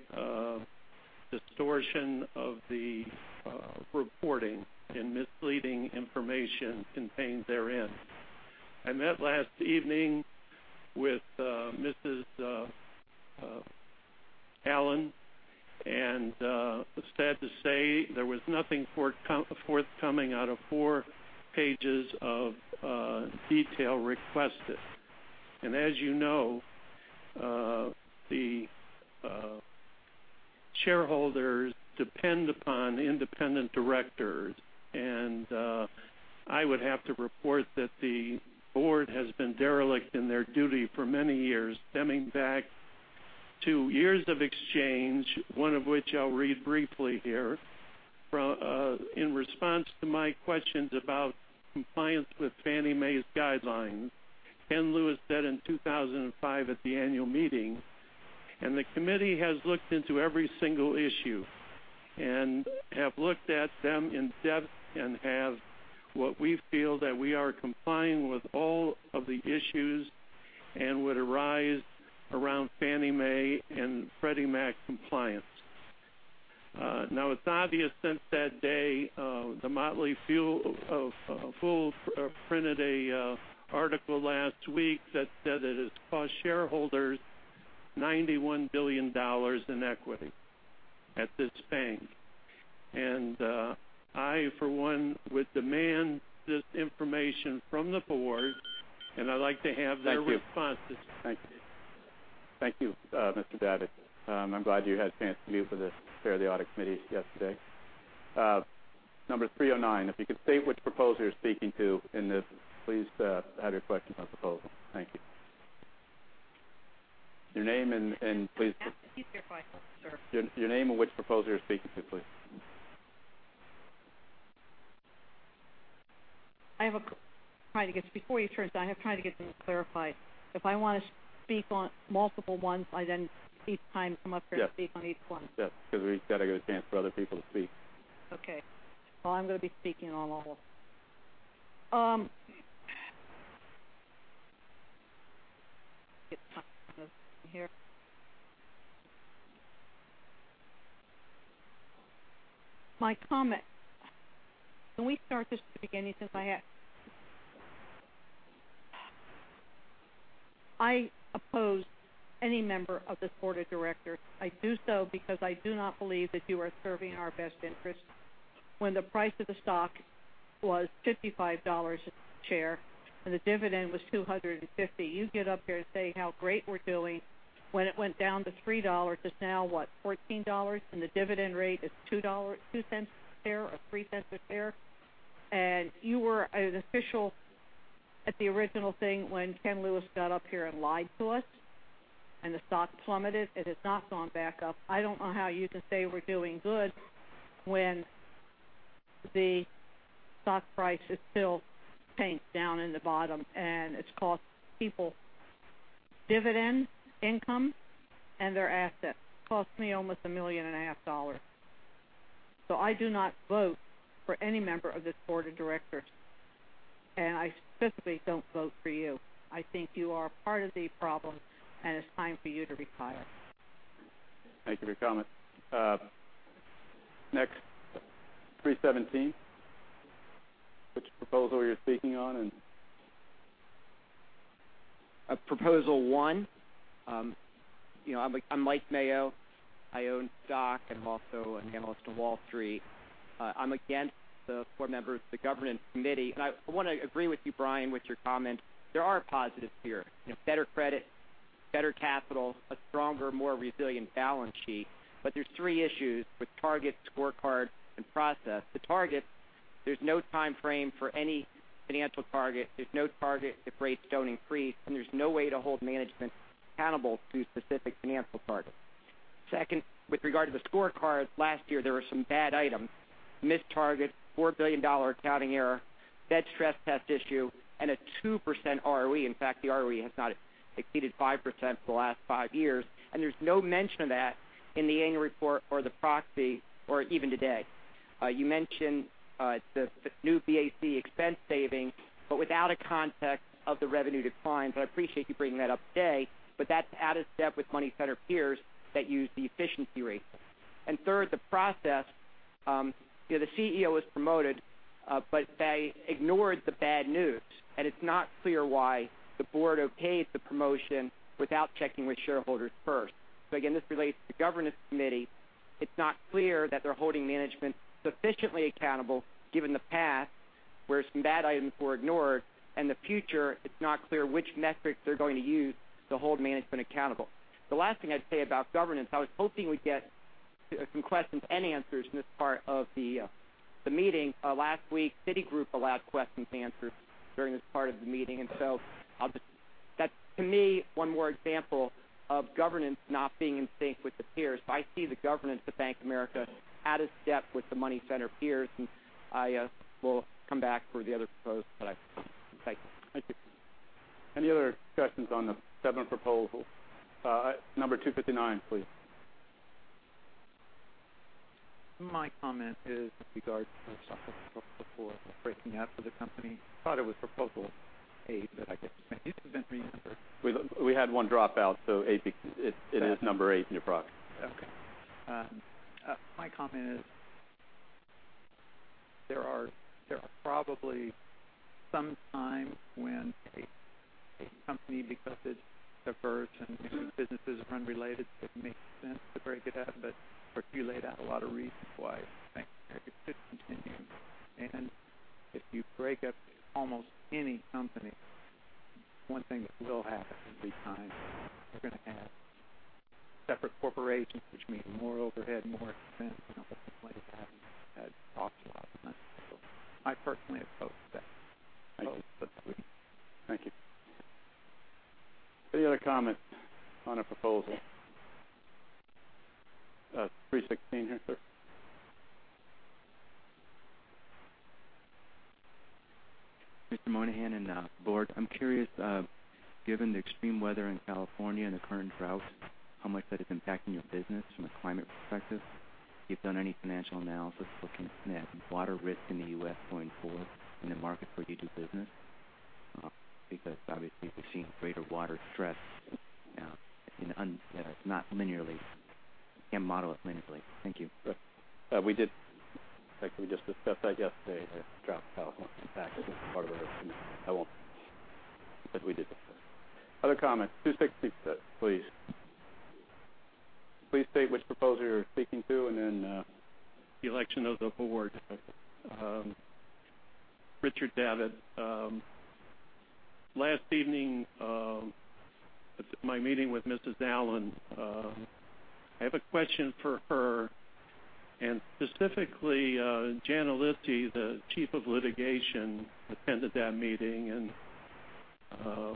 distortion of the reporting and misleading information contained therein. I met last evening with Mrs. Allen, and sad to say, there was nothing forthcoming out of four pages of detail requested. As you know, the shareholders depend upon independent directors, and I would have to report that the board has been derelict in their duty for many years, stemming back to years of exchange, one of which I'll read briefly here. In response to my questions about compliance with Fannie Mae's guidelines, Ken Lewis said in 2005 at the annual meeting, "And the committee has looked into every single issue and have looked at them in depth and have what we feel that we are complying with all of the issues and would arise around Fannie Mae and Freddie Mac compliance." It's obvious since that day, The Motley Fool printed an article last week that said it has cost shareholders $91 billion in equity at this bank. I, for one, would demand this information from the board. I'd like to have their responses. Thank you. Thank you, Mr. Davitt. I'm glad you had a chance to meet with the chair of the audit committee yesterday. Number 309, if you could state which proposal you're speaking to in this, please have your question on proposal. Thank you. Your name and which proposal you're speaking to, please. I have tried to get them to clarify. If I want to speak on multiple ones, I each time come up here and speak on each one. Yes. We've got to get a chance for other people to speak. Okay. Well, I'm going to be speaking on all of them. My comment. Can we start this from the beginning since I oppose any member of this board of directors. I do so because I do not believe that you are serving our best interest. When the price of the stock was $55 a share and the dividend was $250, you get up here and say how great we're doing. When it went down to $3, it's now, what, $14? The dividend rate is $0.02 a share or $0.03 a share. You were an official at the original thing when Ken Lewis got up here and lied to us, and the stock plummeted. It has not gone back up. I don't know how you can say we're doing good when the stock price is still tanked down in the bottom, and it's cost people dividend income and their assets. Cost me almost a million and a half dollars. I do not vote for any member of this board of directors. I specifically don't vote for you. I think you are part of the problem, and it's time for you to retire. Thank you for your comment. Next, 317. Which proposal are you speaking on? Proposal one. I'm Mike Mayo. I own stock. I'm also an analyst on Wall Street. I'm against the four members of the Governance Committee. I want to agree with you, Brian, with your comment. There are positives here. Better credit, better capital, a stronger, more resilient balance sheet. There's three issues with targets, scorecard, and process. The targets, there's no timeframe for any financial target. There's no target if rates don't increase, and there's no way to hold management accountable to specific financial targets. Second, with regard to the scorecard, last year, there were some bad items. Missed target, $4 billion accounting error, Fed stress test issue, and a 2% ROE. In fact, the ROE has not exceeded 5% for the last five years, and there's no mention of that in the annual report or the proxy or even today. You mentioned the New BAC expense saving, without a context of the revenue declines. I appreciate you bringing that up today, but that's out of step with money center peers that use the efficiency rate. Third, the process. The CEO was promoted, they ignored the bad news, and it's not clear why the board okayed the promotion without checking with shareholders first. Again, this relates to the Governance Committee. It's not clear that they're holding management sufficiently accountable given the past, where some bad items were ignored, and the future, it's not clear which metrics they're going to use to hold management accountable. The last thing I'd say about governance, I was hoping we'd get some questions and answers in this part of the meeting. Last week, Citigroup allowed questions and answers during this part of the meeting. That, to me, one more example of governance not being in sync with the peers. I see the governance of Bank of America out of step with the money center peers, and I will come back for the other proposals. Thank you. Thank you. Any other questions on the seven proposals? Number 259, please. My comment is with regards to the before breaking out of the company. I thought it was Proposal A that I was mentioning. I didn't remember. We had one drop out. It is number eight in your proxy. Okay. My comment is, there are probably some times when a company, because it diverged and businesses are unrelated, it makes sense to break it out. You laid out a lot of reasons why Bank of America should continue. If you break up almost any company, one thing that will happen is, over time, you're going to have separate corporations, which mean more overhead, more expense. I personally oppose that. Thank you. Any other comments on a proposal? 316 here, sir. Mr. Moynihan and board. I'm curious, given the extreme weather in California and the current drought, how much that is impacting your business from a climate perspective. If you've done any financial analysis looking at water risk in the U.S. going forward in the market where you do business. Obviously, we've seen greater water stress, you can't model it linearly. Thank you. We did. In fact, we just discussed that yesterday, the drought in California. In fact, it was part of our. I won't, because we did discuss it. Other comments, 266, please. Please state which proposal you're speaking to, and then. The election of the board. Richard Davitt. Last evening, my meeting with Mrs. Allen. I have a question for her, specifically, Janna Litzie, the Chief of Litigation, attended that meeting and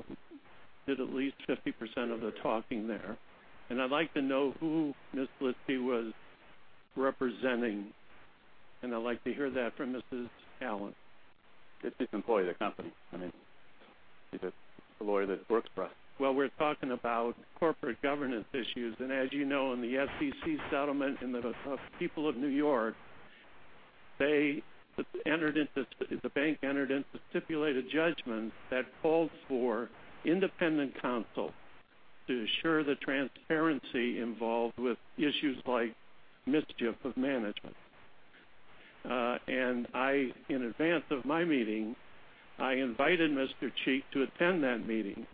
did at least 50% of the talking there. I'd like to know who Ms. Litzie was representing, and I'd like to hear that from Mrs. Allen. It's an employee of the company. She's a lawyer that works for us. Well, we're talking about corporate governance issues. As you know, in the SEC settlement in The People of New York, the bank entered into stipulated judgment that called for independent counsel to ensure the transparency involved with issues like mischief of management. In advance of my meeting, I invited Mr. Cheek to attend that meeting.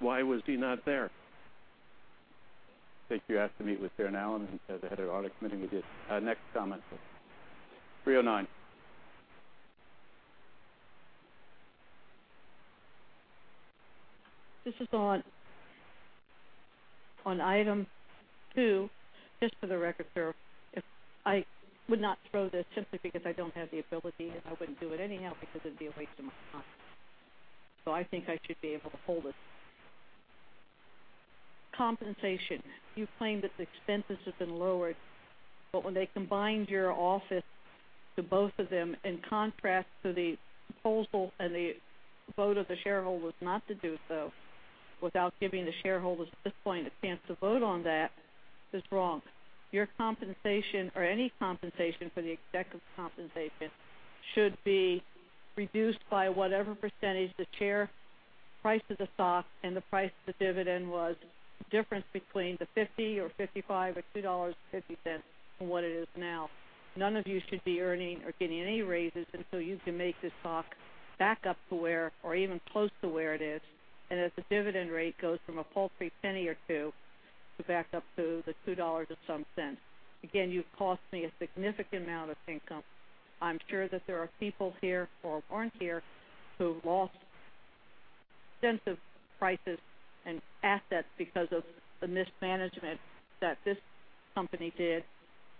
Why was he not there? I think you have to meet with Sharon Allen, the head of audit committee, with this. Next comment, please. 309. This is on item 2. Just for the record, sir, I would not throw this simply because I don't have the ability, and I wouldn't do it anyhow because it'd be a waste of my time. I think I should be able to hold it. Compensation. You claim that the expenses have been lowered, but when they combined your office to both of them, in contrast to the proposal and the vote of the shareholders not to do so, without giving the shareholders, at this point, a chance to vote on that is wrong. Your compensation or any compensation for the executive compensation should be reduced by whatever percentage the share price of the stock and the price of the dividend was, the difference between the $50 or $55 or $2.50 to what it is now. None of you should be earning or getting any raises until you can make the stock back up to where, or even close to where it is, and as the dividend rate goes from a paltry penny or two to back up to the $2 or some cents. Again, you've cost me a significant amount of income. I'm sure that there are people here or aren't here who lost extensive prices and assets because of the mismanagement that this company did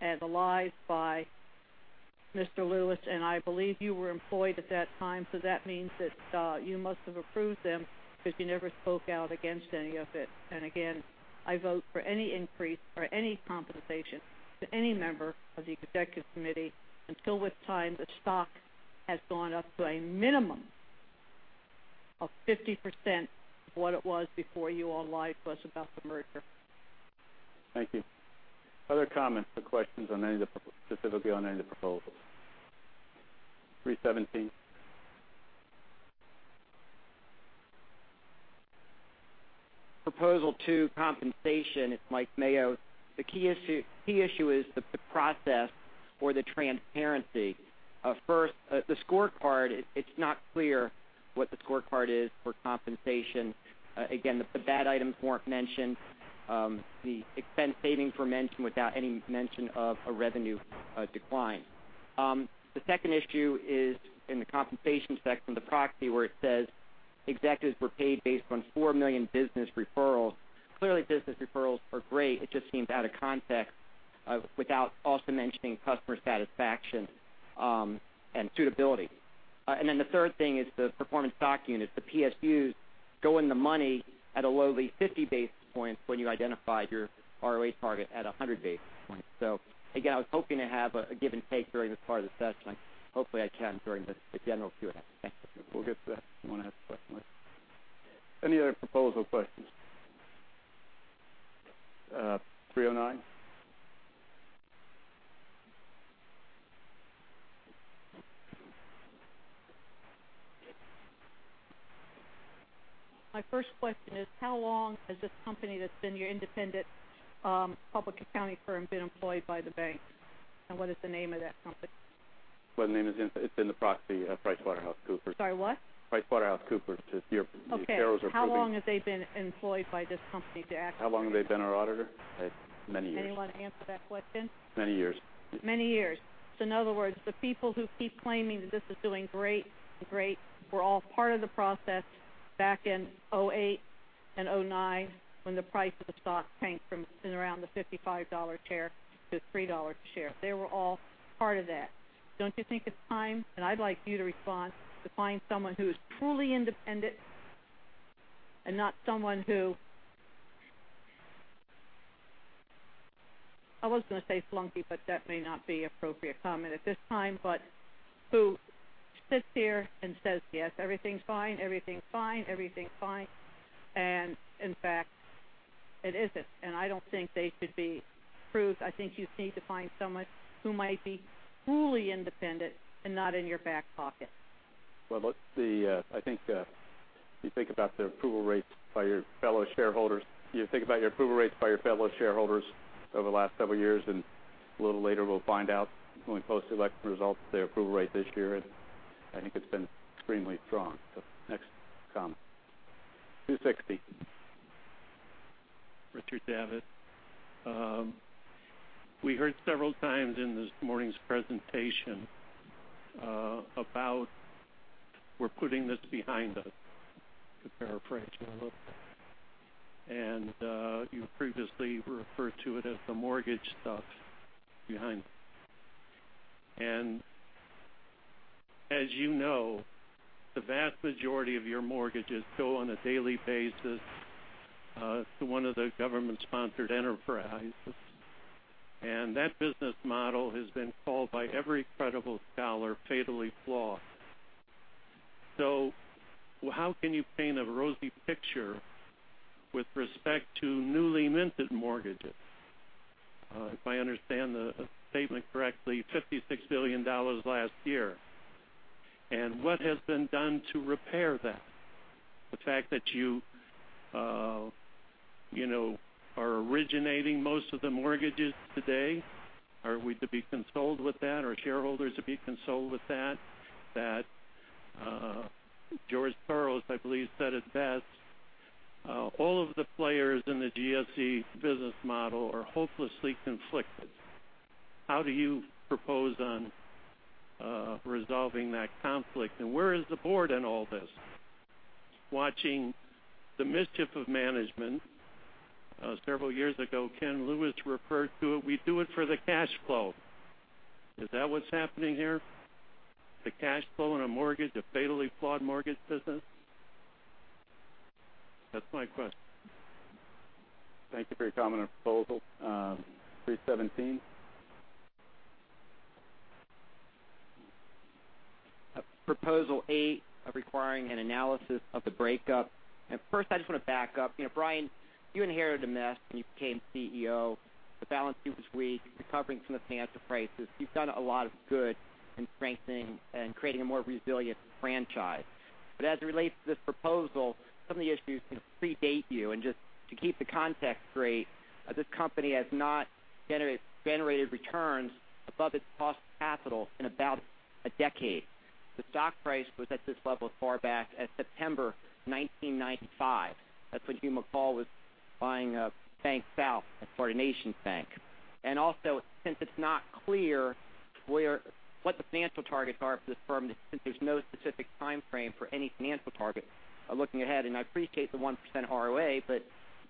and the lies by Mr. Lewis, and I believe you were employed at that time. That means that you must have approved them because you never spoke out against any of it. Again, I vote for any increase or any compensation to any member of the executive committee until what time the stock has gone up to a minimum of 50% of what it was before you all lied to us about the merger. Thank you. Other comments or questions specifically on any of the proposals? 317. Proposal 2, compensation. It's Mike Mayo. The key issue is the process or the transparency. First, the scorecard, it's not clear what the scorecard is for compensation. Again, the bad items weren't mentioned. The expense savings were mentioned without any mention of a revenue decline. The second issue is in the compensation section of the proxy where it says executives were paid based on $4 million business referrals. Clearly, business referrals are great. It just seems out of context without also mentioning customer satisfaction and suitability. The third thing is the Performance Stock Units. The PSUs go in the money at a lowly 50 basis points when you identified your ROA target at 100 basis points. Again, I was hoping to have a give and take during this part of the session. Hopefully, I can during the general Q&A. Thank you. We'll get to that. You want to ask a question, Mike? Any other proposal questions? 309. My first question is, how long has this company that's been your independent public accounting firm been employed by the bank? What is the name of that company? Well, the name is, it's in the proxy. PricewaterhouseCoopers. Sorry, what? PricewaterhouseCoopers. Okay. Shareholders are approving. How long have they been employed by this company? How long have they been our auditor? Many years. Anyone answer that question? Many years. Many years. In other words, the people who keep claiming that this is doing great and great were all part of the process back in 2008 and 2009 when the price of the stock tanked from around the $55 share to $3 share. They were all part of that. Don't you think it's time, and I'd like you to respond, to find someone who is truly independent and not someone I was going to say flunky, but that may not be appropriate comment at this time, but who sits here and says, "Yes, everything's fine, everything's fine, everything's fine," and in fact, it isn't. I don't think they should be approved. I think you need to find someone who might be truly independent and not in your back pocket. Well, I think if you think about the approval rates by your fellow shareholders over the last several years, and a little later we'll find out when we post the election results, their approval rate this year, I think it's been extremely strong. Next comment. 260. Richard Davitt. We heard several times in this morning's presentation about we're putting this behind us, to paraphrase a little. You previously referred to it as the mortgage stuff behind. As you know, the vast majority of your mortgages go on a daily basis to one of the government-sponsored enterprises. That business model has been called by every credible scholar fatally flawed. How can you paint a rosy picture with respect to newly minted mortgages? If I understand the statement correctly, $56 billion last year. What has been done to repair that? The fact that you are originating most of the mortgages today. Are we to be consoled with that? Are shareholders to be consoled with that? George Burroughs, I believe, said it best. All of the players in the GSE business model are hopelessly conflicted. How do you propose on resolving that conflict? Where is the board in all this? Watching the mischief of management. Several years ago, Ken Lewis referred to it, "We do it for the cash flow." Is that what's happening here? The cash flow in a mortgage, a fatally flawed mortgage business? That's my question. Thank you for your comment on proposal 317. Proposal eight, requiring an analysis of the breakup. First, I just want to back up. Brian, you inherited a mess when you became CEO. The balance sheet was weak. You are recovering from the financial crisis. You have done a lot of good in strengthening and creating a more resilient franchise. As it relates to this proposal, some of the issues predate you, and just to keep the context straight, this company has not generated returns above its cost of capital in about a decade. The stock price was at this level far back as September 1995. That is when Hugh McColl was buying BankSouth and Florida NationsBank. Also, since it is not clear what the financial targets are for this firm, since there is no specific timeframe for any financial target looking ahead, and I appreciate the 1% ROA, but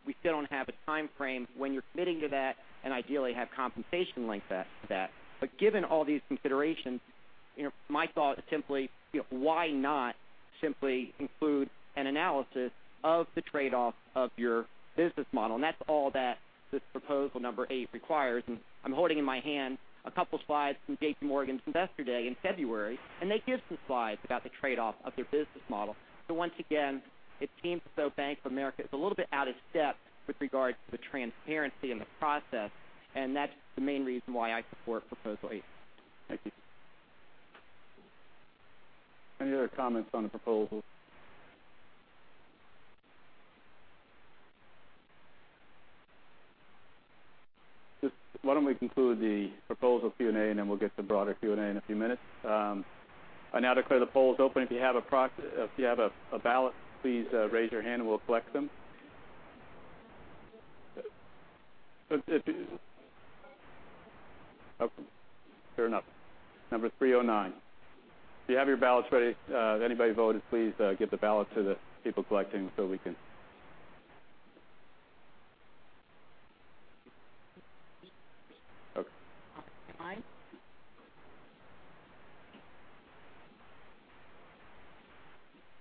we still do not have a timeframe when you are committing to that and ideally have compensation linked that. Given all these considerations, my thought is simply, why not simply include an analysis of the trade-off of your business model? That is all that this proposal number eight requires. I am holding in my hand a couple slides from JPMorgan's investor day in February, and they give some slides about the trade-off of their business model. Once again, it seems as though Bank of America is a little bit out of step with regard to the transparency in the process, and that is the main reason why I support proposal eight. Thank you. Any other comments on the proposal? Just why do not we conclude the proposal Q&A, and then we will get to broader Q&A in a few minutes. I now declare the polls open. If you have a ballot, please raise your hand, and we will collect them. Okay. Fair enough. Number 309. If you have your ballots ready, anybody voted, please give the ballot to the people collecting so we can.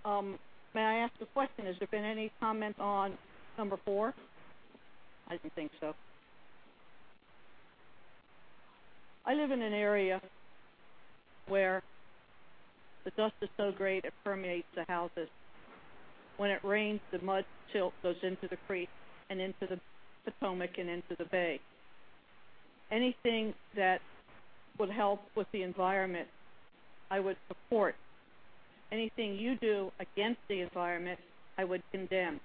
Okay. Am I? May I ask a question? Has there been any comment on number four? I did not think so. I live in an area where the dust is so great it permeates the houses. When it rains, the mud still goes into the creek and into the Potomac and into the bay. Anything that would help with the environment, I would support. Anything you do against the environment, I would condemn.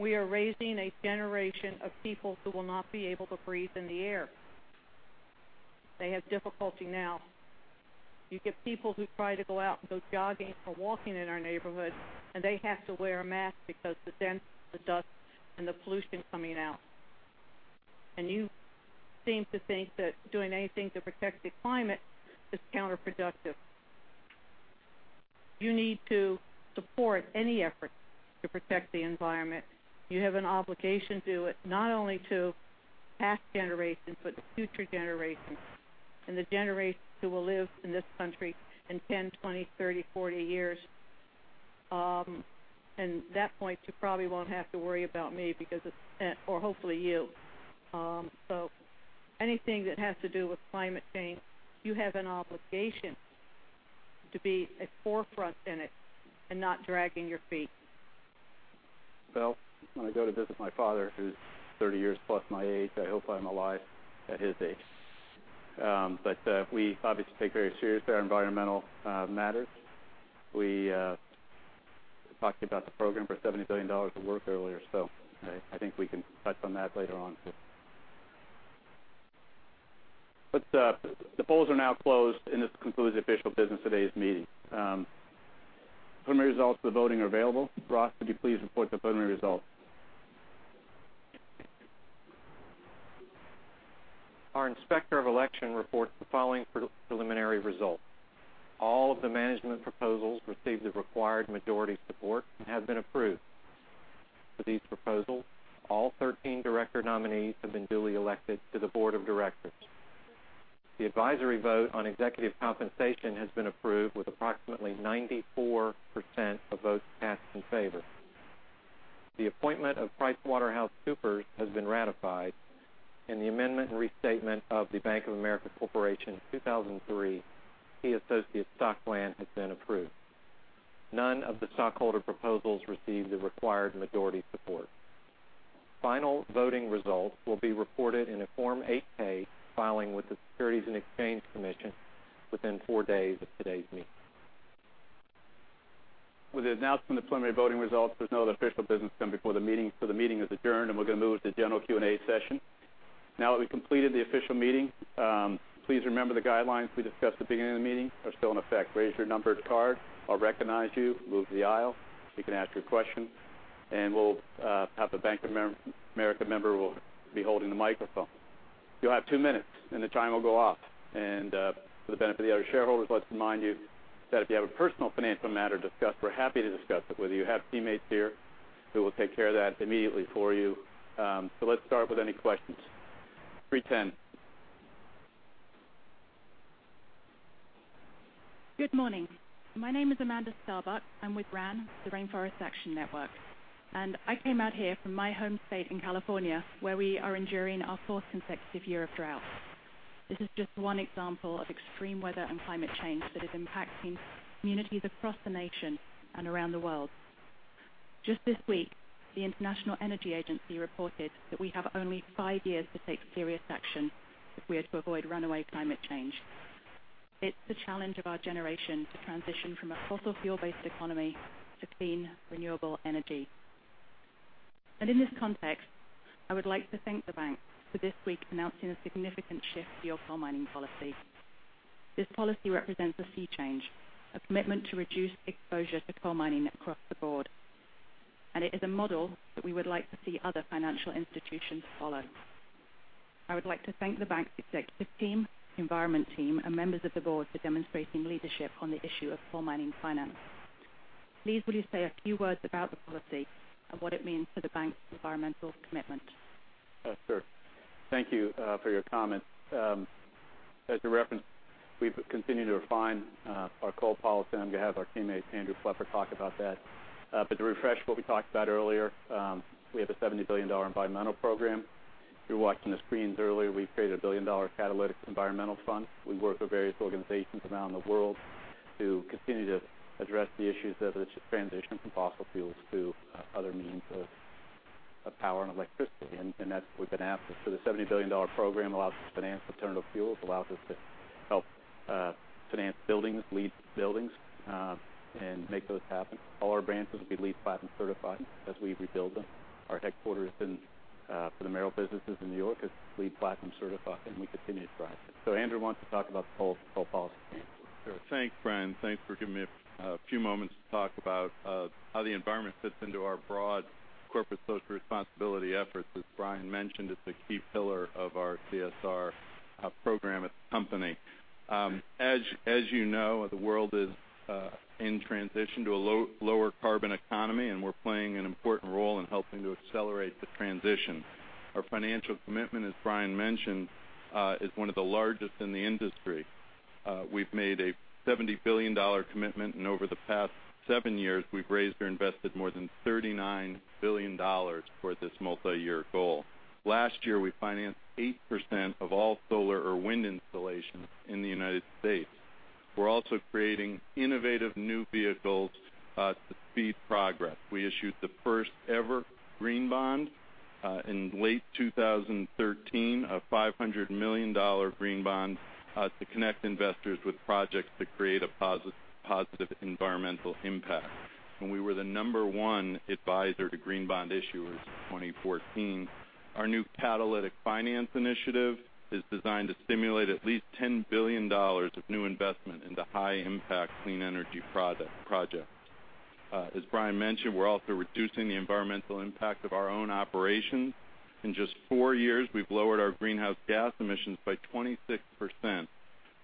We are raising a generation of people who will not be able to breathe in the air. They have difficulty now. You get people who try to go out and go jogging or walking in our neighborhood, and they have to wear a mask because the dense, the dust, and the pollution coming out. You seem to think that doing anything to protect the climate is counterproductive. You need to support any effort to protect the environment. You have an obligation to it, not only to past generations, but the future generations and the generations who will live in this country in 10, 20, 30, 40 years. At that point, you probably won't have to worry about me because it's. Or hopefully you. Anything that has to do with climate change, you have an obligation to be a forefront in it and not dragging your feet. Well, when I go to visit my father, who's 30 years plus my age, I hope I'm alive at his age. We obviously take very seriously our environmental matters. We talked about the program for $70 billion of work earlier, I think we can touch on that later on, too. The polls are now closed, and this concludes the official business of today's meeting. Preliminary results of the voting are available. Ross, could you please report the preliminary results? Our Inspector of Election reports the following preliminary results. All of the management proposals received the required majority support and have been approved. For these proposals, all 13 director nominees have been duly elected to the board of directors. The advisory vote on executive compensation has been approved with approximately 94% of votes cast in favor. The appointment of PricewaterhouseCoopers has been ratified, and the amendment and restatement of the Bank of America Corporation 2003 Key Associate Stock Plan has been approved. None of the stockholder proposals received the required majority support. Final voting results will be reported in a Form 8-K filing with the Securities and Exchange Commission within four days of today's meeting. With the announcement of the preliminary voting results, there's no other official business to come before the meeting, the meeting is adjourned, and we're going to move to the general Q&A session. Now that we've completed the official meeting, please remember the guidelines we discussed at the beginning of the meeting are still in effect. Raise your numbered card. I'll recognize you. Move to the aisle. You can ask your question. We'll have the Bank of America member who will be holding the microphone. You'll have two minutes, and the time will go off. For the benefit of the other shareholders, let's remind you that if you have a personal financial matter to discuss, we're happy to discuss it with you. We have teammates here who will take care of that immediately for you. Let's start with any questions. 310. Good morning. My name is Amanda Starbuck. I am with RAN, the Rainforest Action Network, and I came out here from my home state in California, where we are enduring our fourth consecutive year of drought. This is just one example of extreme weather and climate change that is impacting communities across the nation and around the world. Just this week, the International Energy Agency reported that we have only five years to take serious action if we are to avoid runaway climate change. It is the challenge of our generation to transition from a fossil fuel-based economy to clean, renewable energy. In this context, I would like to thank the bank for this week announcing a significant shift to your coal mining policy. This policy represents a sea change, a commitment to reduce exposure to coal mining across the board. It is a model that we would like to see other financial institutions follow. I would like to thank the bank's executive team, environment team, and members of the board for demonstrating leadership on the issue of coal mining finance. Please, will you say a few words about the policy and what it means for the bank's environmental commitment? Sure. Thank you for your comments. As you referenced, we have continued to refine our coal policy, and I am going to have our teammate Andrew Pfeffer talk about that. To refresh what we talked about earlier, we have a $70 billion environmental program. If you were watching the screens earlier, we have created a billion-dollar catalytic environmental fund. We work with various organizations around the world to continue to address the issues of transition from fossil fuels to other means of power and electricity. That we have been asked for. The $70 billion program allows us to finance alternative fuels, allows us to help finance buildings, LEED buildings, and make those happen. All our branches will be LEED Platinum certified as we rebuild them. Our headquarters for the Merrill businesses in New York is LEED Platinum certified, and we continue to drive that. Andrew wants to talk about the coal policy. Andrew. Sure. Thanks, Brian. Thanks for giving me a few moments to talk about how the environment fits into our broad corporate social responsibility efforts. As Brian mentioned, it's a key pillar of our CSR program at the company. As you know, the world is in transition to a lower carbon economy, we're playing an important role in helping to accelerate the transition. Our financial commitment, as Brian mentioned, is one of the largest in the industry. We've made a $70 billion commitment, over the past seven years, we've raised or invested more than $39 billion toward this multi-year goal. Last year, we financed 8% of all solar or wind installations in the U.S. We're also creating innovative new vehicles to speed progress. We issued the first ever green bond in late 2013, a $500 million green bond, to connect investors with projects that create a positive environmental impact. We were the number one advisor to green bond issuers in 2014. Our new catalytic finance initiative is designed to stimulate at least $10 billion of new investment into high-impact clean energy projects. As Brian mentioned, we're also reducing the environmental impact of our own operations. In just four years, we've lowered our greenhouse gas emissions by 26%,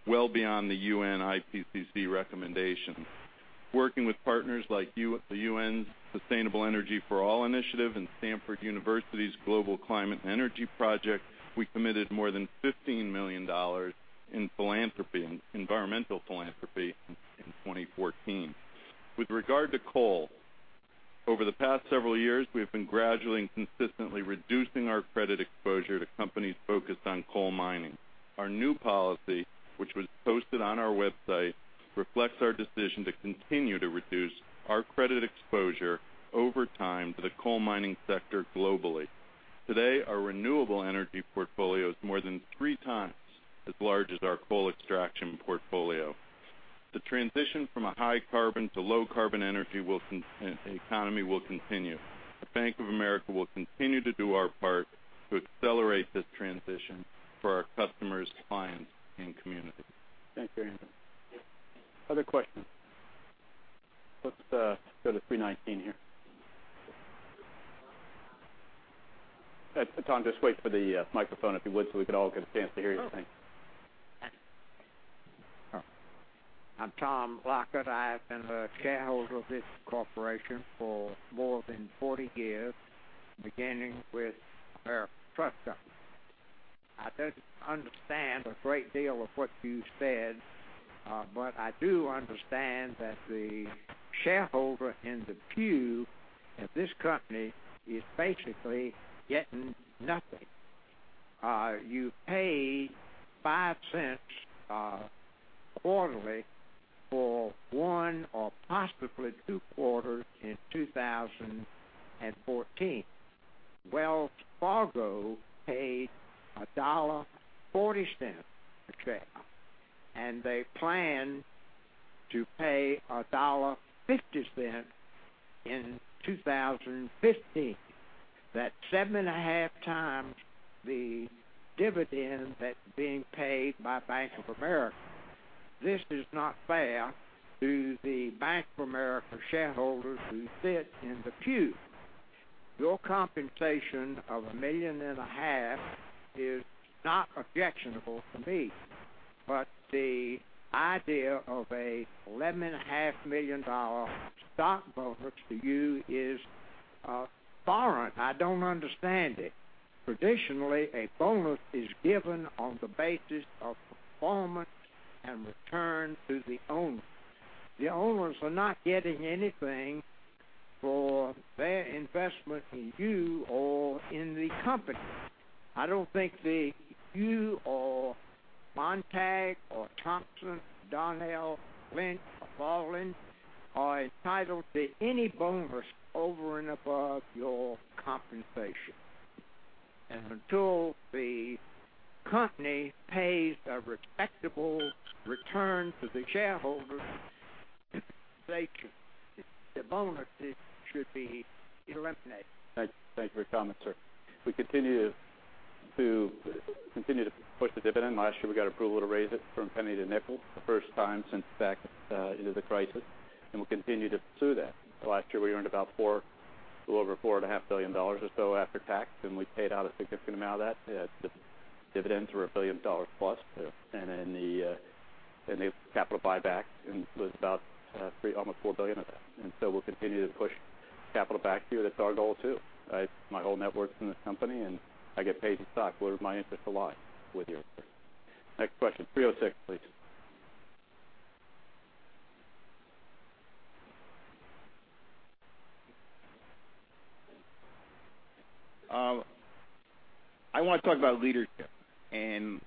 well beyond the UN IPCC recommendation. Working with partners like the UN's Sustainable Energy For All initiative and Stanford University's Global Climate and Energy Project, we committed more than $15 million in environmental philanthropy in 2014. With regard to coal, over the past several years, we've been gradually and consistently reducing our credit exposure to companies focused on coal mining. Our new policy, which was posted on our website, reflects our decision to continue to reduce our credit exposure over time to the coal mining sector globally. Today, our renewable energy portfolio is more than three times as large as our coal extraction portfolio. The transition from a high carbon to low carbon energy economy will continue. At Bank of America, we'll continue to do our part to accelerate this transition for our customers, clients, and communities. Thanks for answering. Other questions? Let's go to 319 here. Tom, just wait for the microphone, if you would, so we could all get a chance to hear you. Thanks. I'm Tom Lockett. I have been a shareholder of this corporation for more than 40 years, beginning with American Trust Company. I didn't understand a great deal of what you said, I do understand that the shareholder in the pew at this company is basically getting nothing. You paid $0.05 quarterly for one or possibly two quarters in 2014. Wells Fargo paid $1.40 a share, and they plan to pay $1.50 in 2015. That's seven and a half times the dividend that's being paid by Bank of America. This is not fair to the Bank of America shareholders who sit in the pew. Your compensation of a million and a half is not objectionable to me. The idea of an $11.5 million stock bonus to you is foreign. I don't understand it. Traditionally, a bonus is given on the basis of performance and return to the owners. The owners are not getting anything for their investment in you or in the company. I don't think that you or Montag or Thompson, Darnell, Lynch, or Boland are entitled to any bonus over and above your compensation. Until the company pays a respectable return to the shareholders, the bonuses should be eliminated. Thank you for your comment, sir. We continue to push the dividend. Last year, we got approval to raise it from $0.01 to $0.05, the first time since back into the crisis, and we'll continue to pursue that. Last year, we earned a little over $4.5 billion or so after tax, and we paid out a significant amount of that. Dividends were $1 billion plus, and then the capital buyback was about almost $4 billion of that. We'll continue to push capital back to you. That's our goal, too. My whole net worth's in this company, and I get paid in stock. Where does my interest lie? With you. Next question, 306, please. I want to talk about leadership.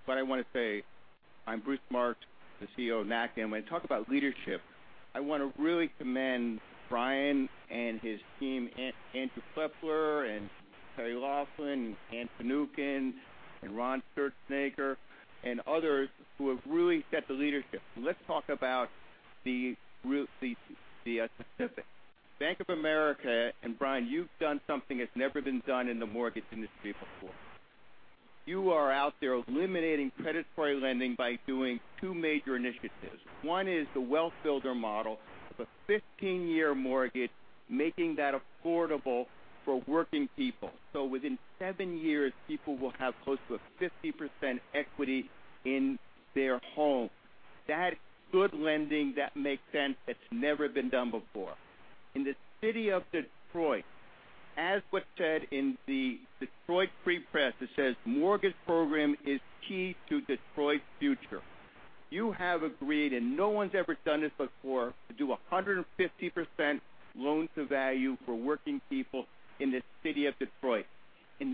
What I want to say, I'm Bruce Marks, the CEO of NACA. When I talk about leadership, I want to really commend Brian and his team, Andrew Pfeffer, and Terry Laughlin, and Anne Finucane, and Ron Sturzenegger, and others who have really set the leadership. Let's talk about the specifics. Bank of America, Brian, you've done something that's never been done in the mortgage industry before. You are out there eliminating predatory lending by doing two major initiatives. One is the Wealth Builder model of a 15-year mortgage, making that affordable for working people. Within seven years, people will have close to a 50% equity in their home. That is good lending that makes sense. It's never been done before. In the city of Detroit, as was said in the Detroit Free Press, it says, "Mortgage program is key to Detroit's future." You have agreed, no one's ever done this before, to do 150% loan to value for working people in the city of Detroit.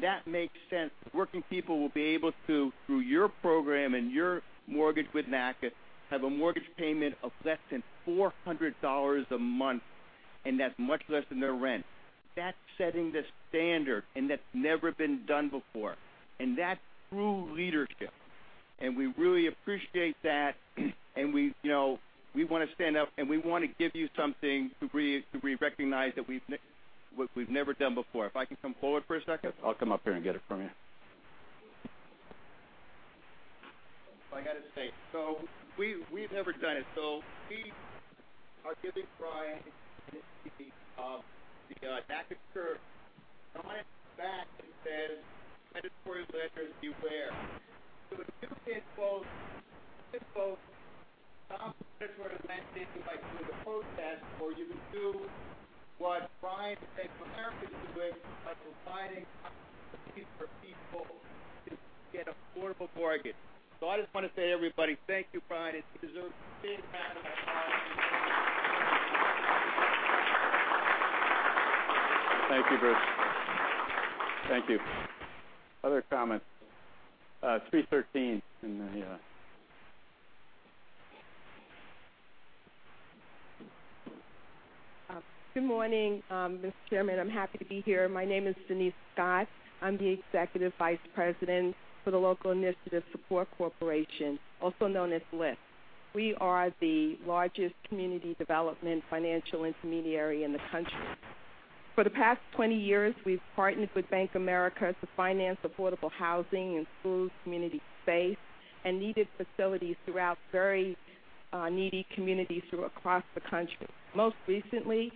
That makes sense. Working people will be able to, through your program and your mortgage with NACA, have a mortgage payment of less than $400 a month, that's much less than their rent. That's setting the standard, that's never been done before. That's true leadership. We really appreciate that. We want to stand up, and we want to give you something to recognize what we've never done before. If I can come forward for a second. Yes. I'll come up here and get it from you. I got to say. We've never done it. We are giving Brian and his team the [NACA curve] on its back. It says, "Predatory lenders beware." You can quote some predatory lending by doing the process, or you can do what Brian at Bank of America is doing by providing opportunities for people to get affordable mortgages. I just want to say, everybody, thank you, Brian. He deserves a big round of applause. Thank you, Bruce. Thank you. Other comments? 313. Good morning, Mr. Chairman. I'm happy to be here. My name is Denise Scott. I'm the Executive Vice President for the Local Initiatives Support Corporation, also known as LISC. We are the largest community development financial intermediary in the country. For the past 20 years, we've partnered with Bank of America to finance affordable housing, improve community space, and needed facilities throughout very needy communities across the country. Most recently,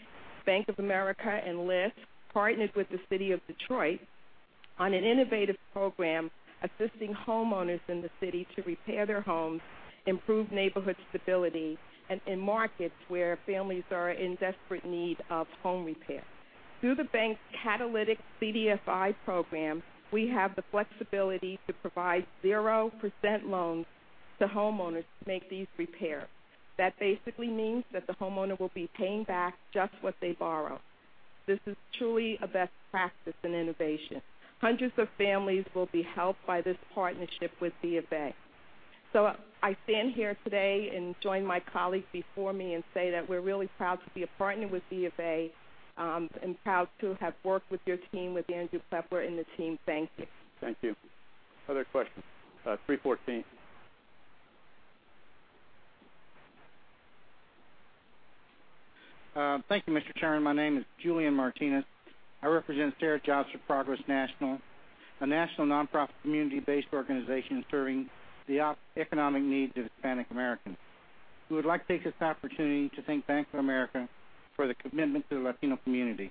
Bank of America and LISC partnered with the city of Detroit on an innovative program assisting homeowners in the city to repair their homes, improve neighborhood stability in markets where families are in desperate need of home repair. Through the bank's catalytic CDFI program, we have the flexibility to provide 0% loans to homeowners to make these repairs. That basically means that the homeowner will be paying back just what they borrow. This is truly a best practice in innovation. Hundreds of families will be helped by this partnership with B of A. I stand here today and join my colleagues before me and say that we're really proud to be a partner with B of A, and proud to have worked with your team, with Andrew Pfeffer and the team. Thank you. Thank you. Other questions? 314. Thank you, Mr. Chairman. My name is Julian Martinez. I represent SER Jobs for Progress National, a national nonprofit community-based organization serving the economic needs of Hispanic Americans. We would like to take this opportunity to thank Bank of America for the commitment to the Latino community.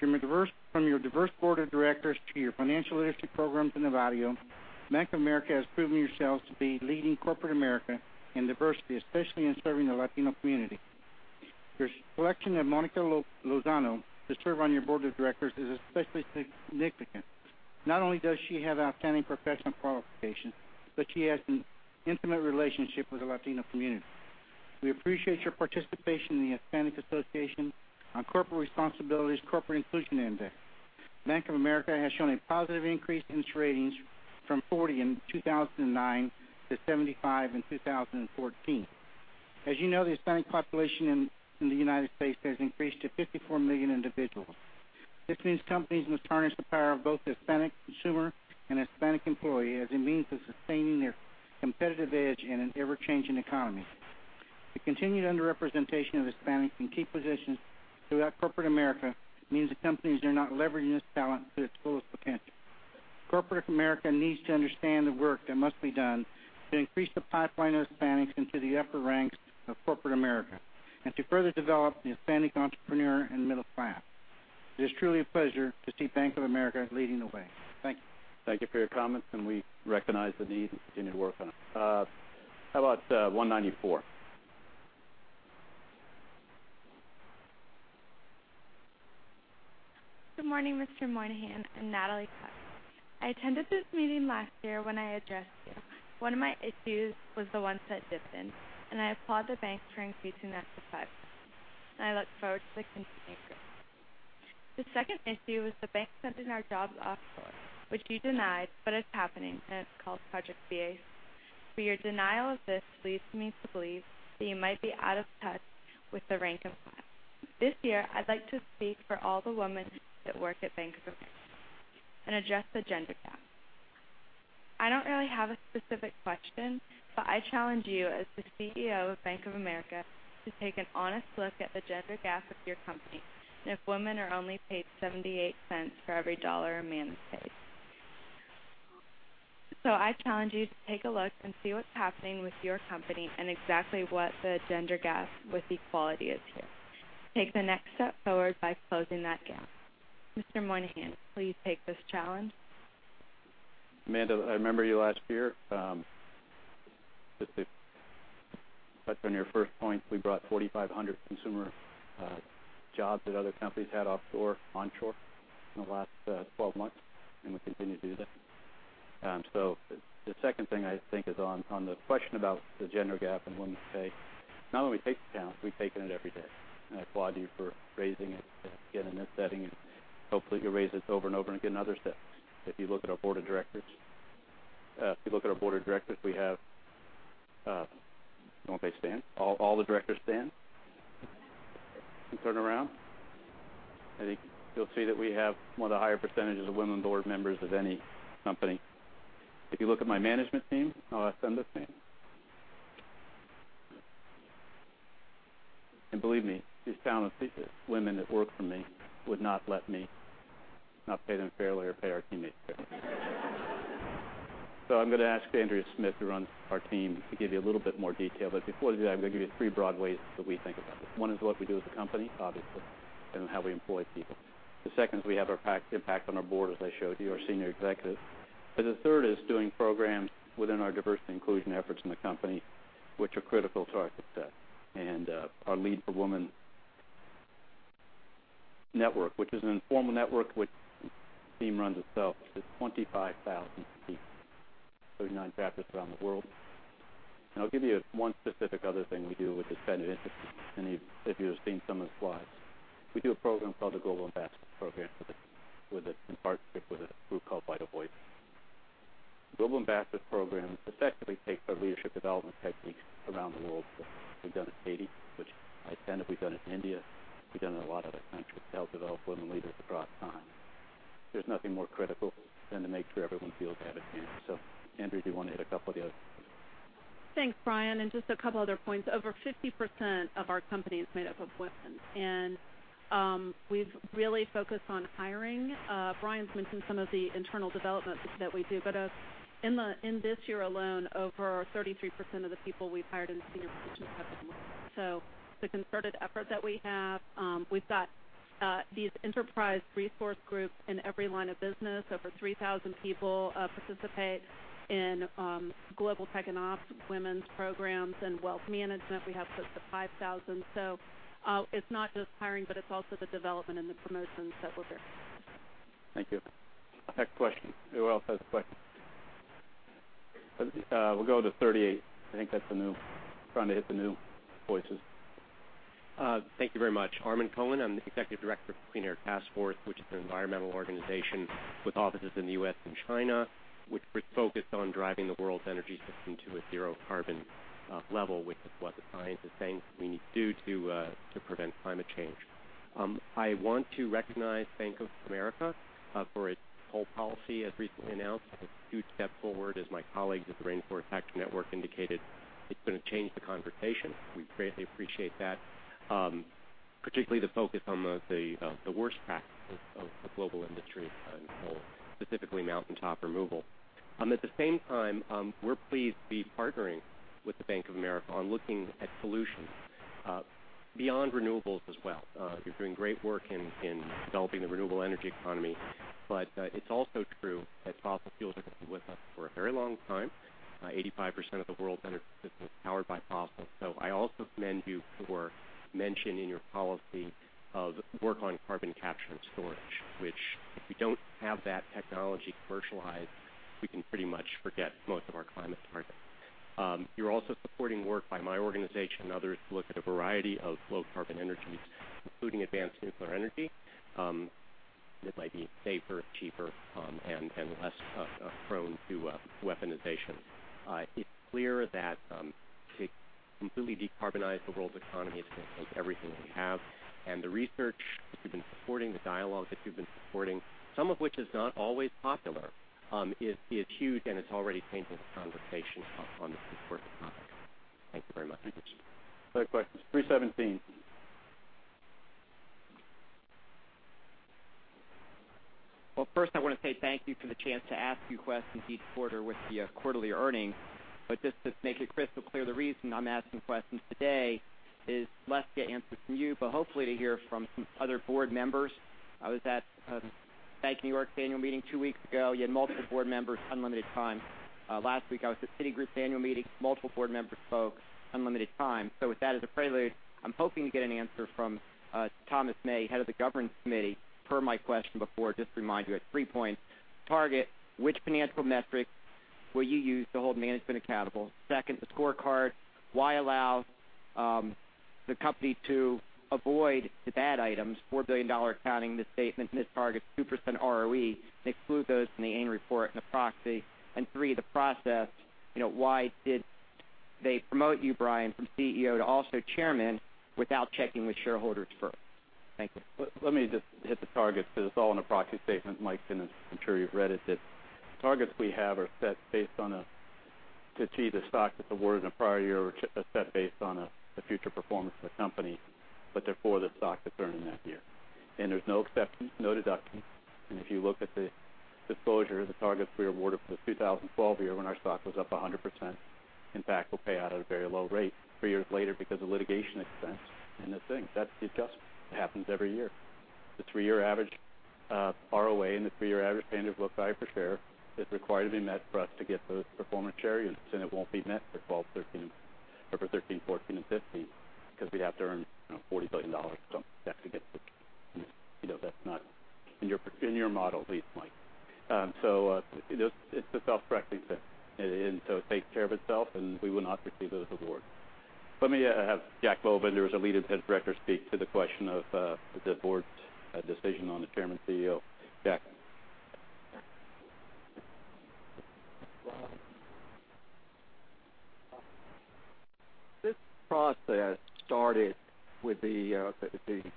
From your diverse board of directors to your financial literacy programs in Nevada, Bank of America has proven yourselves to be leading corporate America in diversity, especially in serving the Latino community. Your selection of Monica Lozano to serve on your board of directors is especially significant. Not only does she have outstanding professional qualifications, but she has an intimate relationship with the Latino community. We appreciate your participation in the Hispanic Association on Corporate Responsibility's Corporate Inclusion Index. Bank of America has shown a positive increase in its ratings from 40 in 2009 to 75 in 2014. As you know, the Hispanic population in the U.S. has increased to 54 million individuals. This means companies must harness the power of both the Hispanic consumer and Hispanic employee as a means of sustaining their competitive edge in an ever-changing economy. The continued underrepresentation of Hispanics in key positions throughout Corporate America means that companies are not leveraging this talent to its fullest potential. Corporate America needs to understand the work that must be done to increase the pipeline of Hispanics into the upper ranks of Corporate America and to further develop the Hispanic entrepreneur and middle class. It is truly a pleasure to see Bank of America leading the way. Thank you. Thank you for your comments. We recognize the need and continue to work on it. How about 194? Good morning, Mr. Moynihan. I'm Natalie Cook. I attended this meeting last year when I addressed you. One of my issues was the $0.01 dividend. I applaud the bank for increasing that to $0.05. I look forward to the continued growth. The second issue was the bank sending our jobs offshore, which you denied, but it's happening. It's called Project B. Your denial of this leads me to believe that you might be out of touch with the rank and file. This year, I'd like to speak for all the women that work at Bank of America and address the gender gap. I don't really have a specific question. I challenge you as the CEO of Bank of America to take an honest look at the gender gap of your company and if women are only paid $0.78 for every $1 a man is paid. I challenge you to take a look and see what's happening with your company and exactly what the gender gap with equality is here. Take the next step forward by closing that gap. Mr. Moynihan, will you take this challenge? Amanda, I remember you last year. Just to touch on your first point, we brought 4,500 consumer jobs that other companies had offshore, onshore in the last 12 months, and we continue to do that. The second thing I think is on the question about the gender gap and women's pay. Not only do we take the challenge, we've taken it every day, and I applaud you for raising it again in this setting, and hopefully you'll raise this over and over again in other settings. If you look at our Board of Directors, we have You want to stand? All the directors stand and turn around. I think you'll see that we have one of the higher percentages of women board members of any company. If you look at my management team. I'll ask them to stand. Believe me, these talented women that work for me would not let me not pay them fairly or pay our teammates fairly. I'm going to ask Andrea Smith, who runs our team, to give you a little bit more detail. Before we do that, I'm going to give you three broad ways that we think about this. One is what we do as a company, obviously, and how we employ people. The second is we have our impact on our board, as I showed you, our senior executives. The third is doing programs within our diversity inclusion efforts in the company, which are critical to our success. Our LEAD for Women network, which is an informal network which the team runs itself. It's 25,000 people, 39 chapters around the world. I'll give you one specific other thing we do with this benefit. If you have seen some of the slides. We do a program called the Global Ambassador Program in partnership with a group called Vital Voices. The Global Ambassador Program effectively takes our leadership development techniques around the world. We've done it in Haiti, which I attended. We've done it in India. We've done it in a lot of other countries to help develop women leaders across time. There's nothing more critical than to make sure everyone feels they have a chance. Andrea, do you want to hit a couple of the others? Thanks, Brian. Just a couple other points. Over 50% of our company is made up of women, and we've really focused on hiring. Brian's mentioned some of the internal development that we do. In this year alone, over 33% of the people we've hired in senior positions have been women. The concerted effort that we have, we've got these enterprise resource groups in every line of business. Over 3,000 people participate in global tech and ops women's programs. In wealth management, we have close to 5,000. It's not just hiring, but it's also the development and the promotions that we're doing. Thank you. Next question. Who else has a question? We'll go to 38. I think that's trying to hit the new voices. Thank you very much. Armond Cohen, I'm the Executive Director for Clean Air Task Force, which is an environmental organization with offices in the U.S. and China. We're focused on driving the world's energy system to a zero carbon level, which is what the science is saying we need to do to prevent climate change. I want to recognize Bank of America for its coal policy, as recently announced. It's a huge step forward, as my colleagues at the Rainforest Action Network indicated, it's going to change the conversation. We greatly appreciate that, particularly the focus on the worst practices of the global industry on coal, specifically mountaintop removal. At the same time, we're pleased to be partnering with Bank of America on looking at solutions beyond renewables as well. You're doing great work in developing the renewable energy economy. It's also true that fossil fuels are going to be with us for a very long time. 85% of the world's energy system is powered by fossil, I also commend you for mentioning in your policy of work on carbon capture and storage, which, if we don't have that technology commercialized, we can pretty much forget most of our climate targets. You're also supporting work by my organization and others to look at a variety of low-carbon energies, including advanced nuclear energy that might be safer, cheaper, and less prone to weaponization. It's clear that to completely decarbonize the world's economy is going to take everything we have. The research that you've been supporting, the dialogue that you've been supporting, some of which is not always popular, is huge and it's already changing the conversation on this important topic. Thank you very much. Thank you. Third question, 317. First, I want to say thank you for the chance to ask you questions each quarter with the quarterly earnings. Just to make it crystal clear, the reason I'm asking questions today is less to get answers from you, but hopefully to hear from some other board members. I was at Bank of New York's annual meeting two weeks ago. You had multiple board members, unlimited time. Last week, I was at Citigroup's annual meeting, multiple board members spoke, unlimited time. With that as a prelude, I'm hoping to get an answer from Thomas May, head of the governance committee, per my question before. Just to remind you, I had three points. Target, which financial metric will you use to hold management accountable? Second, the scorecard. Why allow the company to avoid the bad items, $4 billion accounting misstatement, missed targets, 2% ROE, exclude those from the annual report and the proxy. Three, the process. Why did they promote you, Brian, from CEO to also Chairman without checking with shareholders first? Thank you. Let me just hit the targets because it's all in the proxy statement. Mike, I'm sure you've read it. The targets we have are set based on to achieve the stock that's awarded in a prior year, or set based on the future performance of the company, but they're for the stock that's earned in that year. There's no exceptions, no deductions. If you look at the disclosure, the targets we awarded for the 2012 year when our stock was up 100%, in fact, will pay out at a very low rate three years later because of litigation expense and other things. That's the adjustment. It happens every year. The three-year average ROA and the three-year average tangible book value per share is required to be met for us to get those performance shares. It won't be met for 2013, 2014, and 2015 because we have to earn $40 billion or something to actually get the That's not in your model, at least, Mike. It's a self-correcting thing. It takes care of itself, and we will not receive those awards. Let me have Jack Bovender, who is our Lead Independent Director, speak to the question of the board's decision on the Chairman and CEO. Jack? This process started with the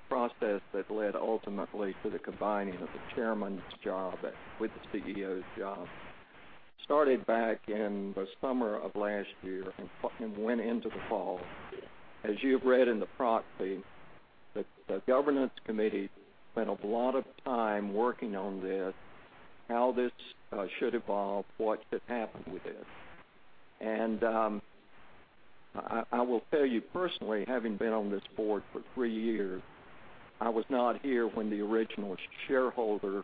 process that led ultimately to the combining of the Chairman's job with the CEO's job. It started back in the summer of last year and went into the fall. As you've read in the proxy, the governance committee spent a lot of time working on this, how this should evolve, what should happen with this. I will tell you personally, having been on this board for three years, I was not here when the original shareholder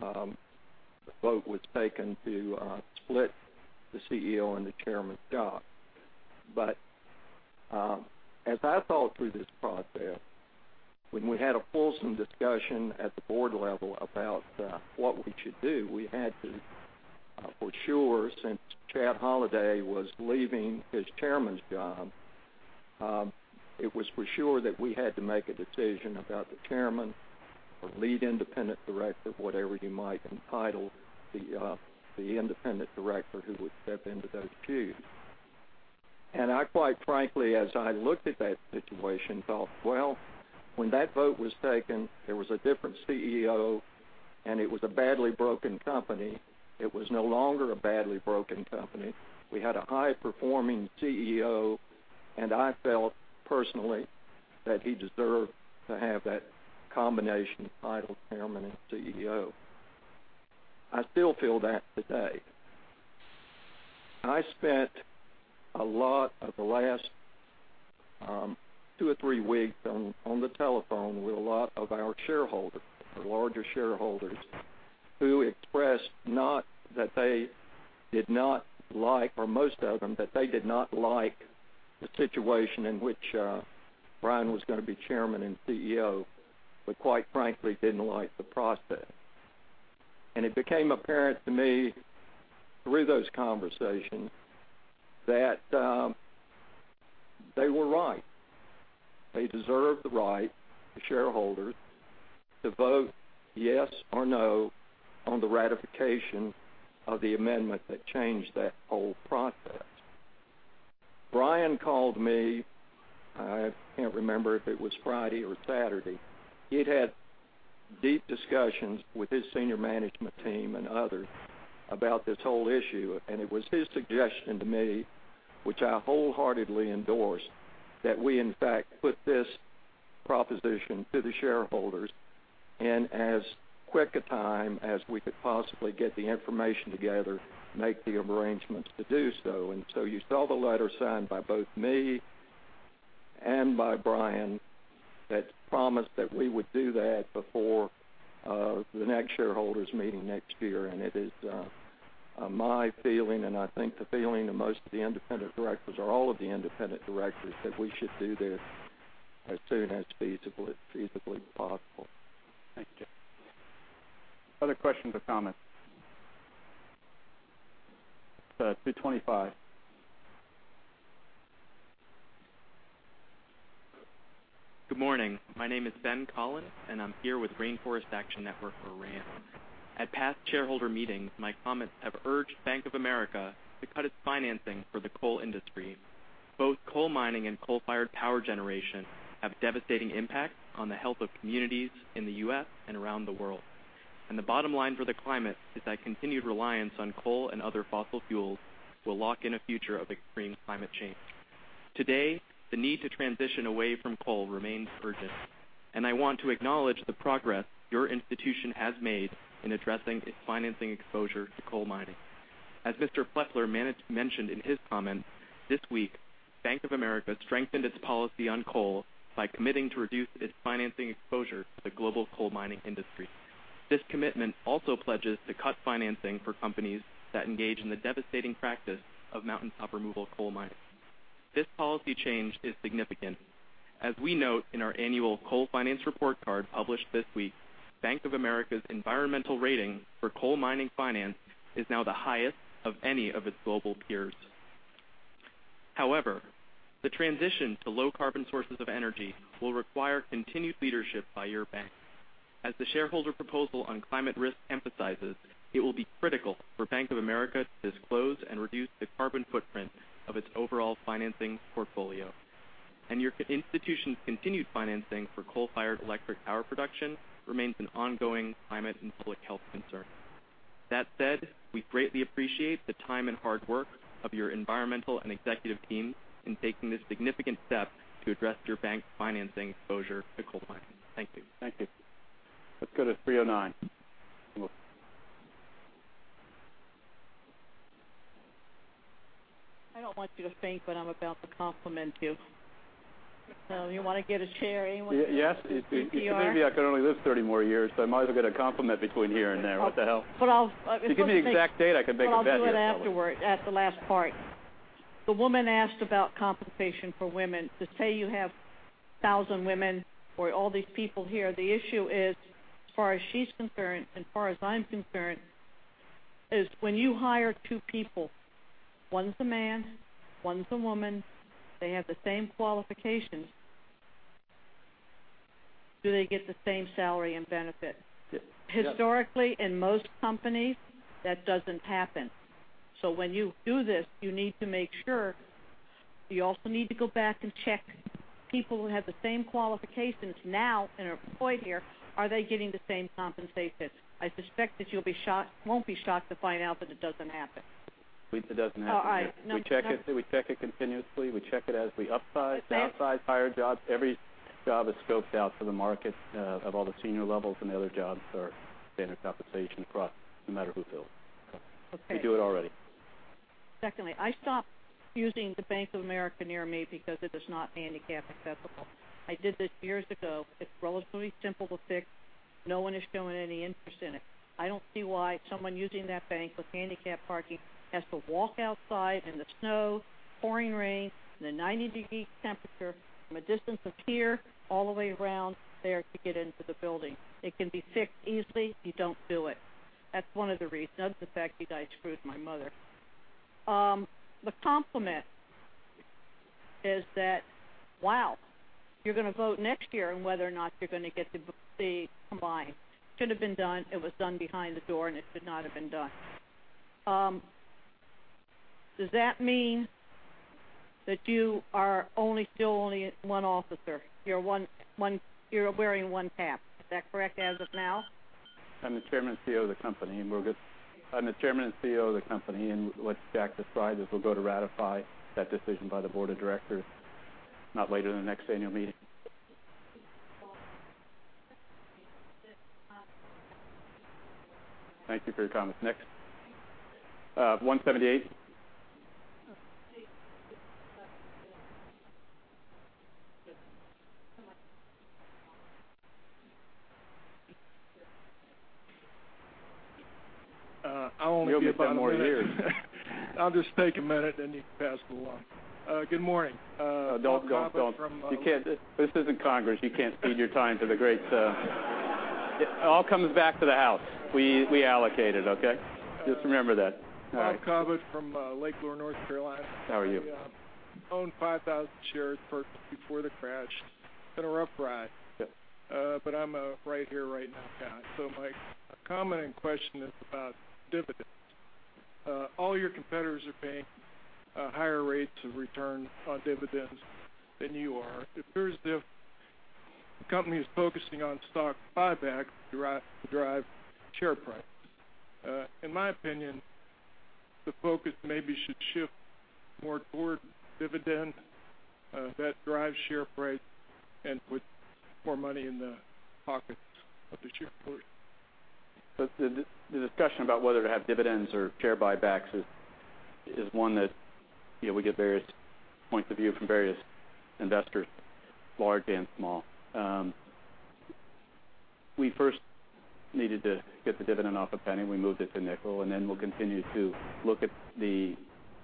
vote was taken to split the CEO and the Chairman's job. As I thought through this process, when we had a fulsome discussion at the board level about what we should do, we had to, for sure, since Chad Holliday was leaving his Chairman's job, it was for sure that we had to make a decision about the Chairman or Lead Independent Director, whatever you might entitle the independent director who would step into those shoes. I quite frankly, as I looked at that situation, thought, well, when that vote was taken, there was a different CEO, and it was a badly broken company. It was no longer a badly broken company. We had a high-performing CEO, and I felt personally that he deserved to have that combination title, Chairman and CEO. I still feel that today. I spent a lot of the last two or three weeks on the telephone with a lot of our shareholders, our larger shareholders, who expressed, most of them, that they did not like the situation in which Brian was going to be Chairman and CEO, quite frankly, didn't like the process. It became apparent to me through those conversations that they were right. They deserve the right, the shareholders, to vote yes or no on the ratification of the amendment that changed that whole process. Brian called me. I can't remember if it was Friday or Saturday. He'd had deep discussions with his senior management team and others about this whole issue, it was his suggestion to me, which I wholeheartedly endorse, that we in fact put this proposition to the shareholders in as quick a time as we could possibly get the information together, make the arrangements to do so. You saw the letter signed by both me and by Brian that promised that we would do that before the next shareholders meeting next year. It is my feeling, and I think the feeling of most of the Independent Directors or all of the Independent Directors, that we should do this as soon as feasibly possible. Thank you. Other questions or comments? Let's go to 25. Good morning. My name is Ben Collins, and I am here with Rainforest Action Network, or RAN. At past shareholder meetings, my comments have urged Bank of America to cut its financing for the coal industry. Both coal mining and coal-fired power generation have devastating impacts on the health of communities in the U.S. and around the world. The bottom line for the climate is that continued reliance on coal and other fossil fuels will lock in a future of extreme climate change. Today, the need to transition away from coal remains urgent. I want to acknowledge the progress your institution has made in addressing its financing exposure to coal mining. As Mr. Pfeffer mentioned in his comments this week, Bank of America strengthened its policy on coal by committing to reduce its financing exposure to the global coal mining industry. This commitment also pledges to cut financing for companies that engage in the devastating practice of mountaintop removal coal mining. This policy change is significant. As we note in our annual coal finance report card published this week, Bank of America's environmental rating for coal mining finance is now the highest of any of its global peers. The transition to low-carbon sources of energy will require continued leadership by your bank. As the shareholder proposal on climate risk emphasizes, it will be critical for Bank of America to disclose and reduce the carbon footprint of its overall financing portfolio. Your institution's continued financing for coal-fired electric power production remains an ongoing climate and public health concern. That said, we greatly appreciate the time and hard work of your environmental and executive teams in taking this significant step to address your bank's financing exposure to coal mining. Thank you. Thank you. Let's go to 309. I don't want you to faint. I'm about to compliment you. You want to get a chair. Yes. Maybe I could only live 30 more years, so I might as well get a compliment between here and there. What the hell. But I'll- If you give me an exact date, I can make a bet here. I'll do it afterward, at the last part. The woman asked about compensation for women. Say you have 1,000 women or all these people here. The issue is, as far as she's concerned, and as far as I'm concerned, is when you hire two people, one's a man, one's a woman, they have the same qualifications. Do they get the same salary and benefit? Yes. Historically, in most companies, that doesn't happen. When you do this, you need to make sure. You also need to go back and check people who have the same qualifications now and are employed here. Are they getting the same compensation? I suspect that you won't be shocked to find out that it doesn't happen. It doesn't happen here. All right. We check it continuously. We check it as we upsize and outsize, hire jobs. Every job is scoped out for the market of all the senior levels, and the other jobs are standard compensation across, no matter who fills. Okay. We do it already. Secondly, I stopped using the Bank of America near me because it is not handicap accessible. I did this years ago. It's relatively simple to fix. No one is showing any interest in it. I don't see why someone using that bank with handicap parking has to walk outside in the snow, pouring rain, in a 90-degree temperature from a distance of here all the way around there to get into the building. It can be fixed easily. You don't do it. That's one of the reasons. The fact you guys screwed my mother. The compliment is that, wow, you're going to vote next year on whether or not you're going to get the combined. Should have been done, it was done behind the door, and it should not have been done. Does that mean that you are still only one officer? You're wearing one hat. Is that correct as of now? I'm the chairman and CEO of the company. What Jack decides is we'll go to ratify that decision by the board of directors, not later than the next annual meeting. Thank you for your comments. Next. 178. You only get 10 more years. I'll just take a minute. You can pass it along. Good morning. Don't. This isn't Congress. You can't cede your time to. It all comes back to the House. We allocate it, okay? Just remember that. Bob Cobbett from Lake Lure, North Carolina. How are you? I own 5,000 shares purchased before the crash. Been a rough ride. Yep. I'm a right here, right now guy. My common question is about dividends. All your competitors are paying higher rates of return on dividends than you are. It appears as if the company is focusing on stock buybacks to drive share price. In my opinion, the focus maybe should shift more toward dividends that drive share price and put more money in the pockets of the shareholders. The discussion about whether to have dividends or share buybacks is one that we get various points of view from various investors, large and small. We first needed to get the dividend off a penny. We moved it to a nickel, then we'll continue to look at the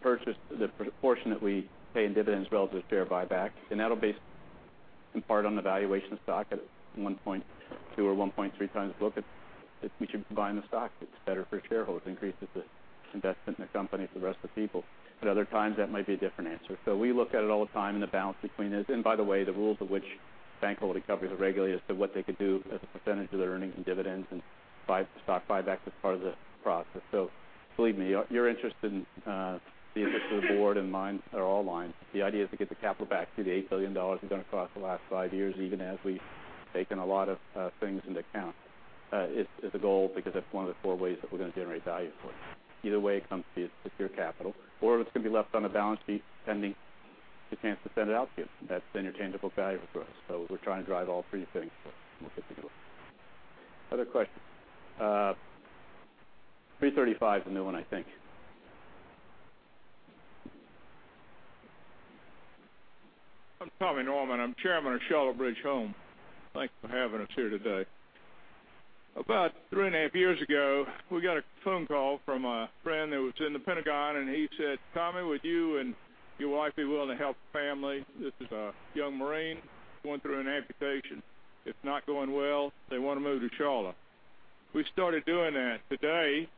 proportion that we pay in dividends relative to share buybacks. That'll be in part on the valuation of stock at 1.2 or 1.3 times book. If we should be buying the stock, it's better for shareholders. It increases the investment in the company for the rest of the people. At other times, that might be a different answer. We look at it all the time and the balance between this. By the way, the rules of which Bank of America holding companies are regulated as to what they could do as a percentage of their earnings and dividends and stock buybacks as part of the process. Believe me, your interest in the interest of the board and mine are all aligned. The idea is to get the capital back to the $8 billion we've done across the last five years, even as we've taken a lot of things into account. It's a goal because that's one of the four ways that we're going to generate value for you. Either way, it comes to you. It's your capital, or it's going to be left on a balance sheet pending the chance to send it out to you. That's interchangeable value for us. We're trying to drive all three things for you, and we'll get there. Other questions? 335 is a new one, I think. I'm Tommy Norman. I'm Chairman of Charlotte Bridge Home. Thanks for having us here today. About three and a half years ago, we got a phone call from a friend that was in the Pentagon, and he said, "Tommy, would you and your wife be willing to help a family? This is a young Marine going through an amputation. It's not going well. They want to move to Charlotte." We started doing that. Today,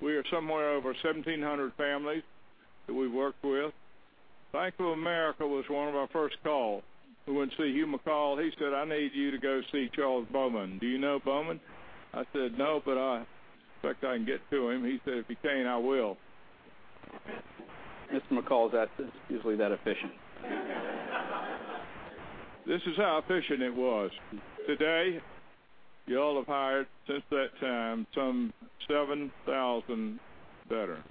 we are somewhere over 1,700 families that we've worked with. Bank of America was one of our first calls. We went to see Hugh McColl. He said, "I need you to go see Charles Bowman. Do you know Bowman?" I said, "No. I expect I can get to him." He said, "If you can't, I will. Mr. McColl is usually that efficient. This is how efficient it was. Today, you all have hired since that time, some 7,000 veterans.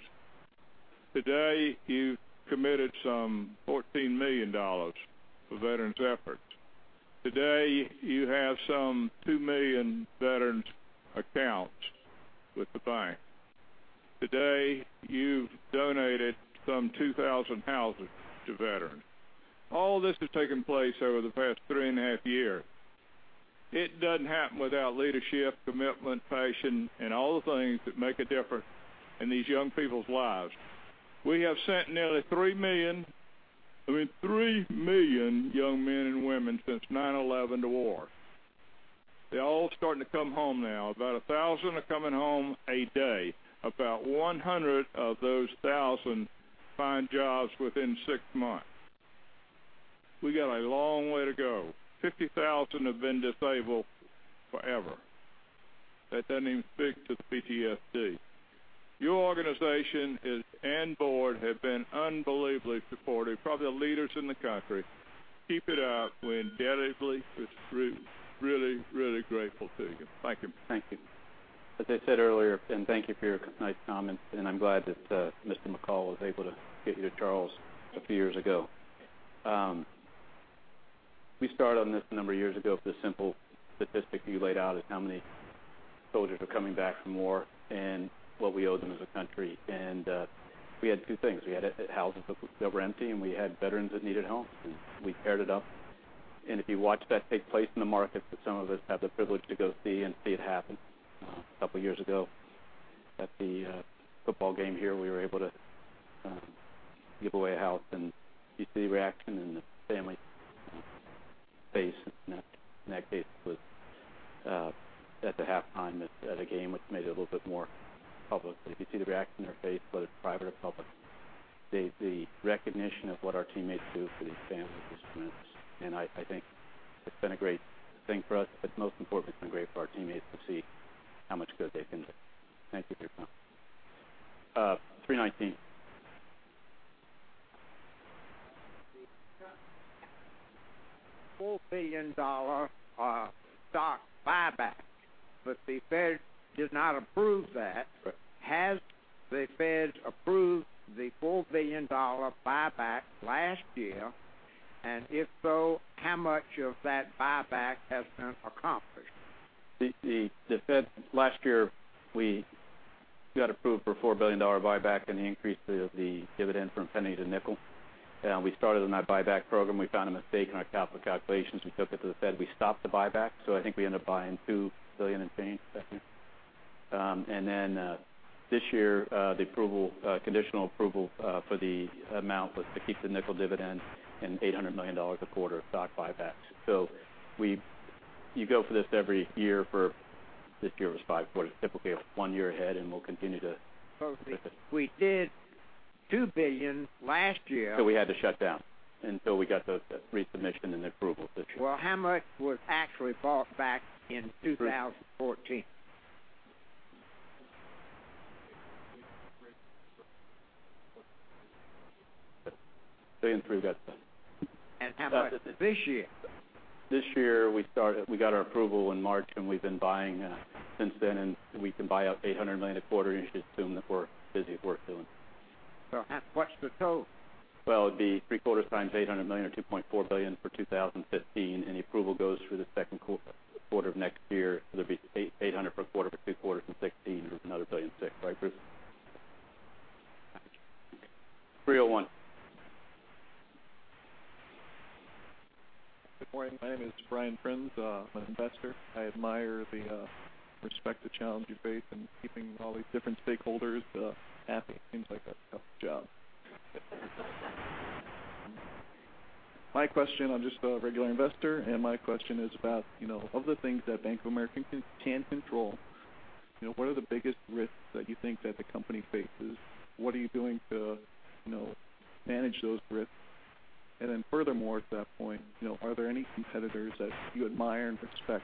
Today, you've committed some $14 million for veterans efforts. Today, you have some 2 million veterans accounts with the bank. Today, you've donated some 2,000 houses to veterans. All this has taken place over the past three and a half years. It doesn't happen without leadership, commitment, passion, and all the things that make a difference in these young people's lives. We have sent nearly 3 million young men and women since 9/11 to war. They're all starting to come home now. About 1,000 are coming home a day. About 100 of those 1,000 find jobs within six months. We got a long way to go. 50,000 have been disabled forever. That doesn't even speak to the PTSD. Your organization and board have been unbelievably supportive, probably the leaders in the country. Keep it up. We're indebted. We're really grateful to you. Thank you. Thank you. As I said earlier, thank you for your nice comments, I'm glad that Mr. McColl was able to get you to Charles a few years ago. We started on this a number of years ago with the simple statistic you laid out is how many soldiers are coming back from war and what we owe them as a country. We had two things. We had houses that were empty, and we had veterans that needed homes, and we paired it up. If you watch that take place in the markets that some of us have the privilege to go see and see it happen. A couple of years ago at the football game here, we were able to give away a house, and you see the reaction and the family face. In that case, it was at the halftime at a game, which made it a little bit more public. If you see the reaction on their face, whether it's private or public, the recognition of what our teammates do for these families is tremendous. I think it's been a great thing for us, but most importantly, it's been great for our teammates to see how much good they've been doing. Thank you for your comment. 319. The $4 billion stock buyback, the Fed did not approve that. Right. Has the Fed approved the $4 billion buyback last year? If so, how much of that buyback has been accomplished? The Fed last year, we got approved for a $4 billion buyback and the increase of the dividend from penny to nickel. We started on that buyback program. We found a mistake in our capital calculations. We took it to the Fed. We stopped the buyback. I think we ended up buying $1.3 billion and change that year. Then this year, the conditional approval for the amount was to keep the nickel dividend and $800 million a quarter of stock buybacks. You go for this every year for, this year it was 5 quarters, typically 1 year ahead, and we'll continue to- We did $2 billion last year. We had to shut down until we got the resubmission and the approval this year. Well, how much was actually bought back in 2014? $1.3 billion, about that. How about this year? This year, we got our approval in March and we've been buying since then, and we can buy up $800 million a quarter. You can just assume that we're busy at work doing that. How much to tow? It'd be three quarters times $800 million or $2.4 billion for 2015. Any approval goes through the second quarter of next year. There'll be $800 for a quarter for two quarters in 2016. There's another $1.6 billion. Right, Bruce? 179. Good morning. My name is Brian Friends. I'm an investor. I admire and respect the challenge you face in keeping all these different stakeholders happy. Seems like a tough job. My question, I'm just a regular investor, and my question is about, of the things that Bank of America can control, what are the biggest risks that you think that the company faces? What are you doing to manage those risks? Furthermore to that point, are there any competitors that you admire and respect,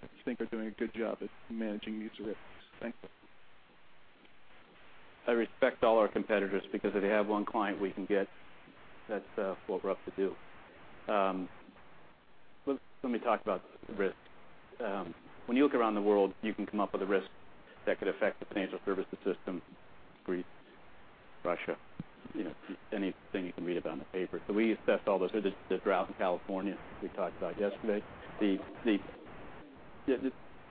that you think are doing a good job at managing these risks? Thank you. I respect all our competitors because if they have one client we can get, that's what we're up to do. Let me talk about risks. When you look around the world, you can come up with a risk that could affect the financial services system. Greece, Russia, anything you can read about in the paper. We assess all those. There's the drought in California that we talked about yesterday.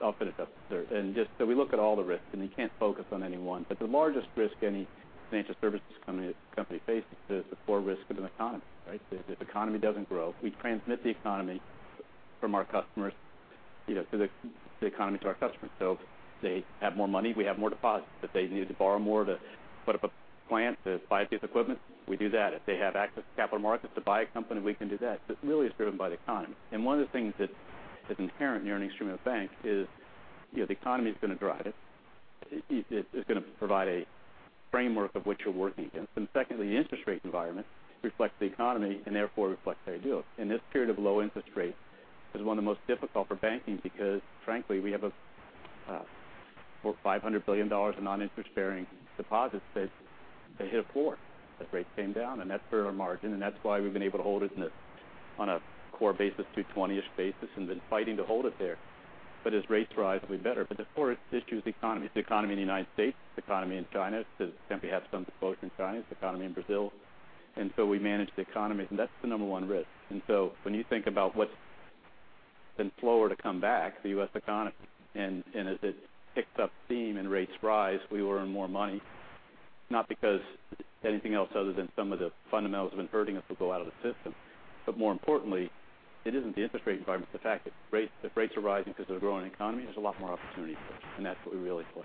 I'll finish up, sir. Just so we look at all the risks, and you can't focus on any one. The largest risk any financial services company faces is the core risk of an economy, right? If the economy doesn't grow, we transmit the economy from our customers, the economy to our customers. They have more money, we have more deposits. If they need to borrow more to put up a plant, to buy a piece of equipment, we do that. If they have access to capital markets to buy a company, we can do that. It really is driven by the economy. One of the things that's inherent in your instrument of bank is, the economy's going to drive it. It's going to provide a framework of what you're working against. Secondly, the interest rate environment reflects the economy and therefore reflects how you do it. In this period of low interest rates is one of the most difficult for banking because frankly, we have $500 billion of non-interest-bearing deposits that they hit a floor. The rates came down, and that's for our margin, and that's why we've been able to hold it on a core basis, 220-ish basis, and been fighting to hold it there. As rates rise, it'll be better. The core issue is the economy. It's the economy in the U.S., the economy in China, because simply have some exposure in China, it's the economy in Brazil. We manage the economy, and that's the number one risk. When you think about what's been slower to come back, the U.S. economy, and as it picks up steam and rates rise, we will earn more money, not because anything else other than some of the fundamentals have been hurting us will go out of the system. More importantly, it isn't the interest rate environment. It's the fact that rates are rising because they're growing economy. There's a lot more opportunity there, and that's what we really look for.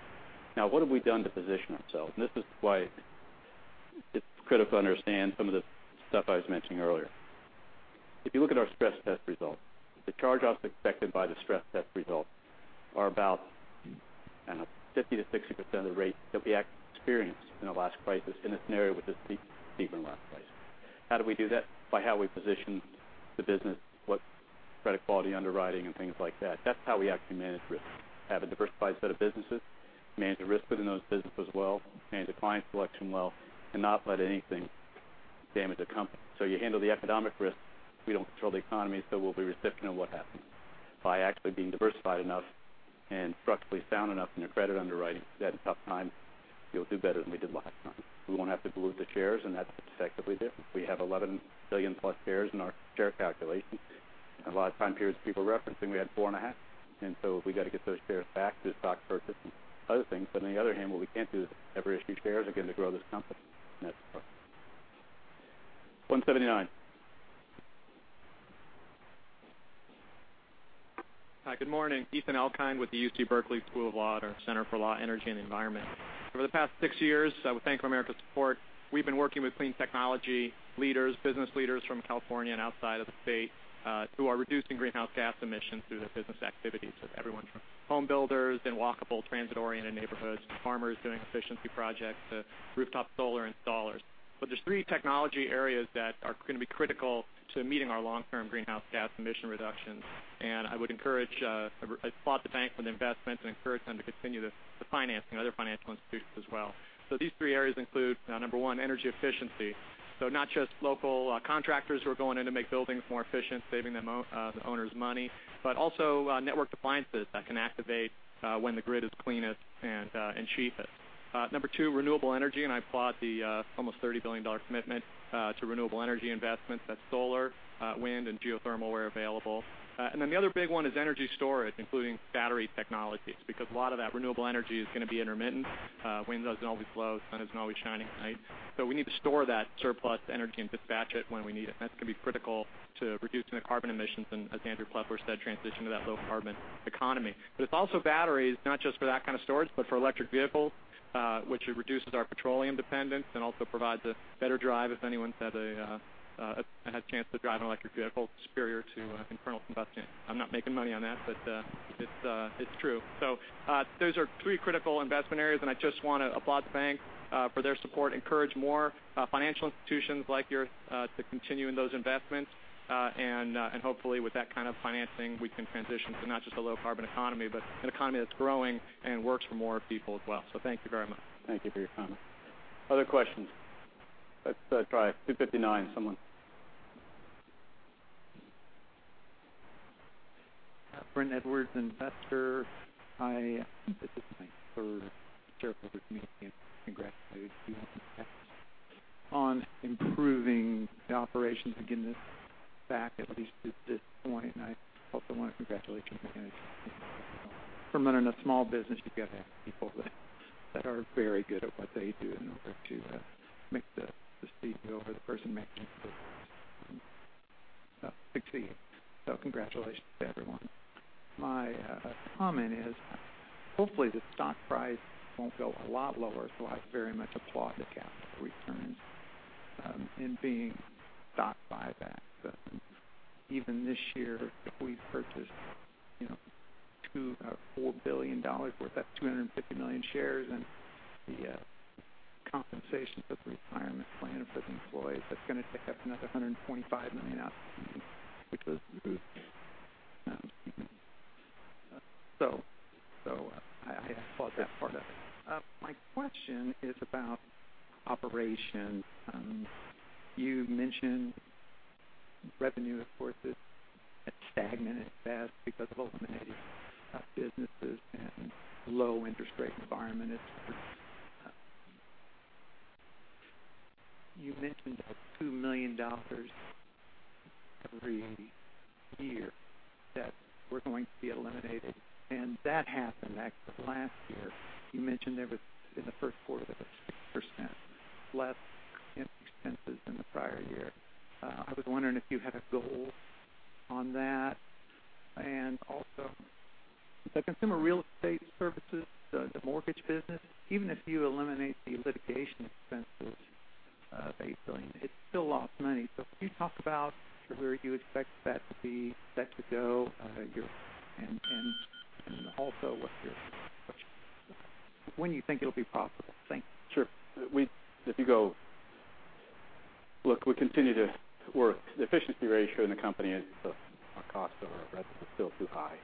Now, what have we done to position ourselves? This is why it is critical to understand some of the stuff I was mentioning earlier. If you look at our stress test results, the charge-offs expected by the stress test results are about 50%-60% of the rate that we actually experienced in the last crisis in a scenario with a steeper than last crisis. How do we do that? By how we position the business, what credit quality underwriting and things like that. That is how we actually manage risk. Have a diversified set of businesses, manage the risks within those businesses well, manage the client selection well, and not let anything damage the company. You handle the economic risk. We do not control the economy, so we will be recipient of what happens. By actually being diversified enough and structurally sound enough in your credit underwriting, that in tough times, you will do better than we did last time. We will not have to dilute the shares, and that is effectively different. We have $11 billion-plus shares in our share calculation. In a lot of time periods people are referencing, we had 4.5 billion. So we got to get those shares back through stock purchase and other things. But on the other hand, what we cannot do is ever issue shares again to grow this company. That is important. 179. Hi, good morning. Ethan Elkind with the UC Berkeley School of Law at our Center for Law, Energy & the Environment. Over the past six years, with Bank of America's support, we have been working with clean technology leaders, business leaders from California and outside of the state, who are reducing greenhouse gas emissions through their business activities. Everyone from home builders and walkable transit-oriented neighborhoods to farmers doing efficiency projects to rooftop solar installers. But there is 3 technology areas that are going to be critical to meeting our long-term greenhouse gas emission reductions. I applaud the bank for the investments and encourage them to continue the financing, other financial institutions as well. These 3 areas include, number one, energy efficiency. Not just local contractors who are going in to make buildings more efficient, saving the owners money, but also networked appliances that can activate when the grid is cleanest and cheapest. Number two, renewable energy, and I applaud the almost $30 billion commitment to renewable energy investments. That is solar, wind, and geothermal where available. The other big one is energy storage, including battery technologies, because a lot of that renewable energy is going to be intermittent. Wind does not always blow. Sun is not always shining at night. So we need to store that surplus energy and dispatch it when we need it, and that is going to be critical to reducing the carbon emissions and, as Andrew Pfeffer said, transition to that low-carbon economy. It's also batteries, not just for that kind of storage, but for electric vehicles, which reduces our petroleum dependence and also provides a better drive. If anyone's had a chance to drive an electric vehicle, superior to internal combustion. I'm not making money on that, but it's true. Those are three critical investment areas, and I just want to applaud the bank for their support, encourage more financial institutions like yours to continue in those investments. Hopefully with that kind of financing, we can transition to not just a low carbon economy, but an economy that's growing and works for more people as well. Thank you very much. Thank you for your comment. Other questions? Let's try 259, someone. Brent Edwards, investor. Hi. This is my third shareholders meeting, congratulations on improving the operations and getting this back, at least at this point, I also want to congratulate your guys. From running a small business, you've got to have people that are very good at what they do in order to make the CEO or the person managing succeed. Congratulations to everyone. My comment is, hopefully, the stock price won't go a lot lower, I very much applaud the capital returns and being stock buyback. Even this year, if we purchased $4 billion worth, that's 250 million shares, and the compensation for the retirement plan for the employees, that's going to take up another 125 million out. I applaud that part of it. My question is about operations. You mentioned revenue, of course, is stagnant at best because of eliminating businesses and low interest rate environment. You mentioned that $2 million every year that were going to be eliminated, that happened last year. You mentioned there was, in the first quarter, 6% less in expenses than the prior year. I was wondering if you had a goal on that. Also, the consumer real estate services, the mortgage business, even if you eliminate the litigation expense, which is $8 billion, it still lost money. Can you talk about where you expect that to be, that to go, and also what's your question? When you think it'll be possible? Thanks. Sure. Look, we continue to work. The efficiency ratio in the company is our cost over our revenue is still too high.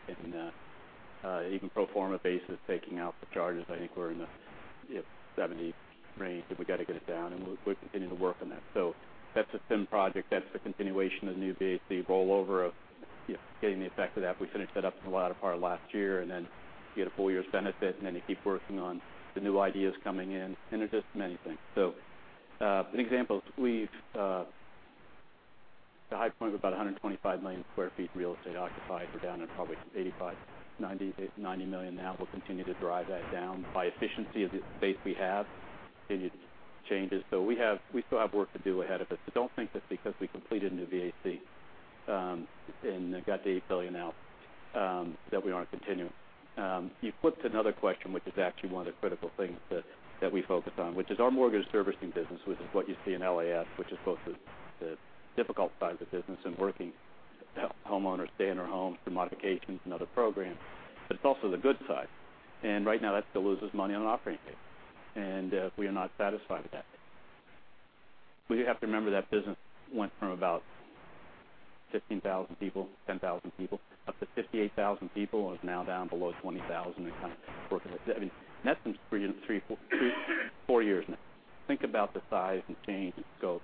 Even pro forma basis, taking out the charges, I think we're in the 70 range, and we've got to get it down, and we're continuing to work on that. That's a thin project. That's a continuation of the New BAC rollover of getting the effect of that. We finished that up in a lot of part last year, and then you get a full year's benefit, and then you keep working on the new ideas coming in, and there's just many things. An example, at the high point of about 125 million sq ft real estate occupied, we're down to probably 85, 90 million now. We'll continue to drive that down by efficiency of the space we have, continued changes. We still have work to do ahead of us, so don't think that because we completed a New BAC and got the $8 billion out that we aren't continuing. You flipped to another question, which is actually one of the critical things that we focus on, which is our mortgage servicing business, which is what you see in LAS, which is both the difficult side of the business in working to help homeowners stay in their homes through modifications and other programs. It's also the good side. Right now, that still loses money on an operating basis, and we are not satisfied with that. You have to remember that business went from about 15,000 people, 10,000 people, up to 58,000 people, and is now down below 20,000 and counting, working. That's been three to four years now. Think about the size and change in scope.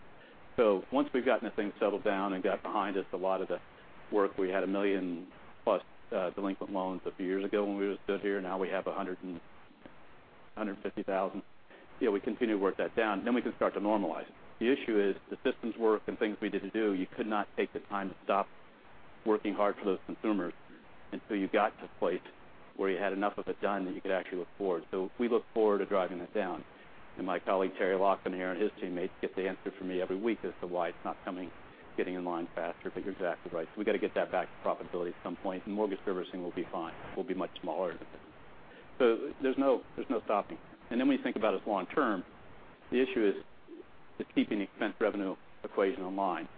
Once we've gotten that thing settled down and got behind us a lot of the work. We had a million+ delinquent loans a few years ago when we stood here. Now we have 150,000. We continue to work that down, then we can start to normalize it. The issue is the systems work and things we didn't do. You could not take the time to stop working hard for those consumers until you got to the place where you had enough of it done that you could actually look forward. We look forward to driving that down. My colleague, Terrence Laughlin here, and his teammates get the answer from me every week as to why it's not coming, getting in line faster. You're exactly right. We've got to get that back to profitability at some point. Mortgage servicing will be fine. We'll be much smaller. There's no stopping. When you think about us long term, the issue is keeping the expense revenue equation in line.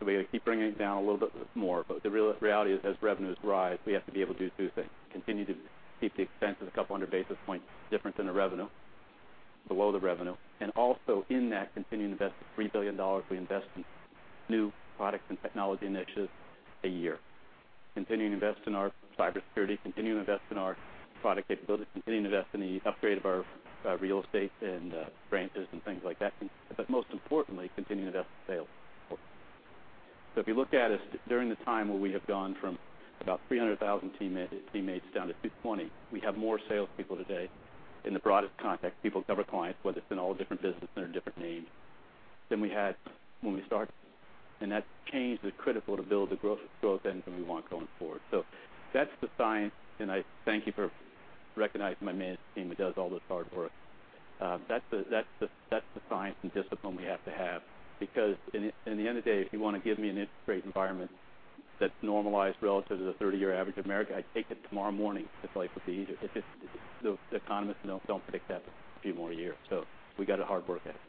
We got to keep bringing it down a little bit more. The reality is as revenues rise, we have to be able to do two things, continue to keep the expenses a couple hundred basis points different than the revenue, below the revenue, and also in that, continue to invest the $3 billion we invest in new products and technology initiatives a year. Continuing to invest in our cybersecurity, continuing to invest in our product capabilities, continuing to invest in the upgrade of our real estate and branches and things like that. Most importantly, continuing to invest in sales force. If you look at us during the time where we have gone from about 300,000 teammates down to 220. We have more salespeople today in the broadest context, people who cover clients, whether it's in all different business under a different name, than we had when we started. That change is critical to build the growth engine we want going forward. That's the science, and I thank you for recognizing my management team that does all this hard work. That's the science and discipline we have to have because in the end of the day, if you want to give me an interest rate environment that's normalized relative to the 30-year average of America, I'd take it tomorrow morning. Life would be easier. The economists don't predict that for a few more years. We got to hard work at it.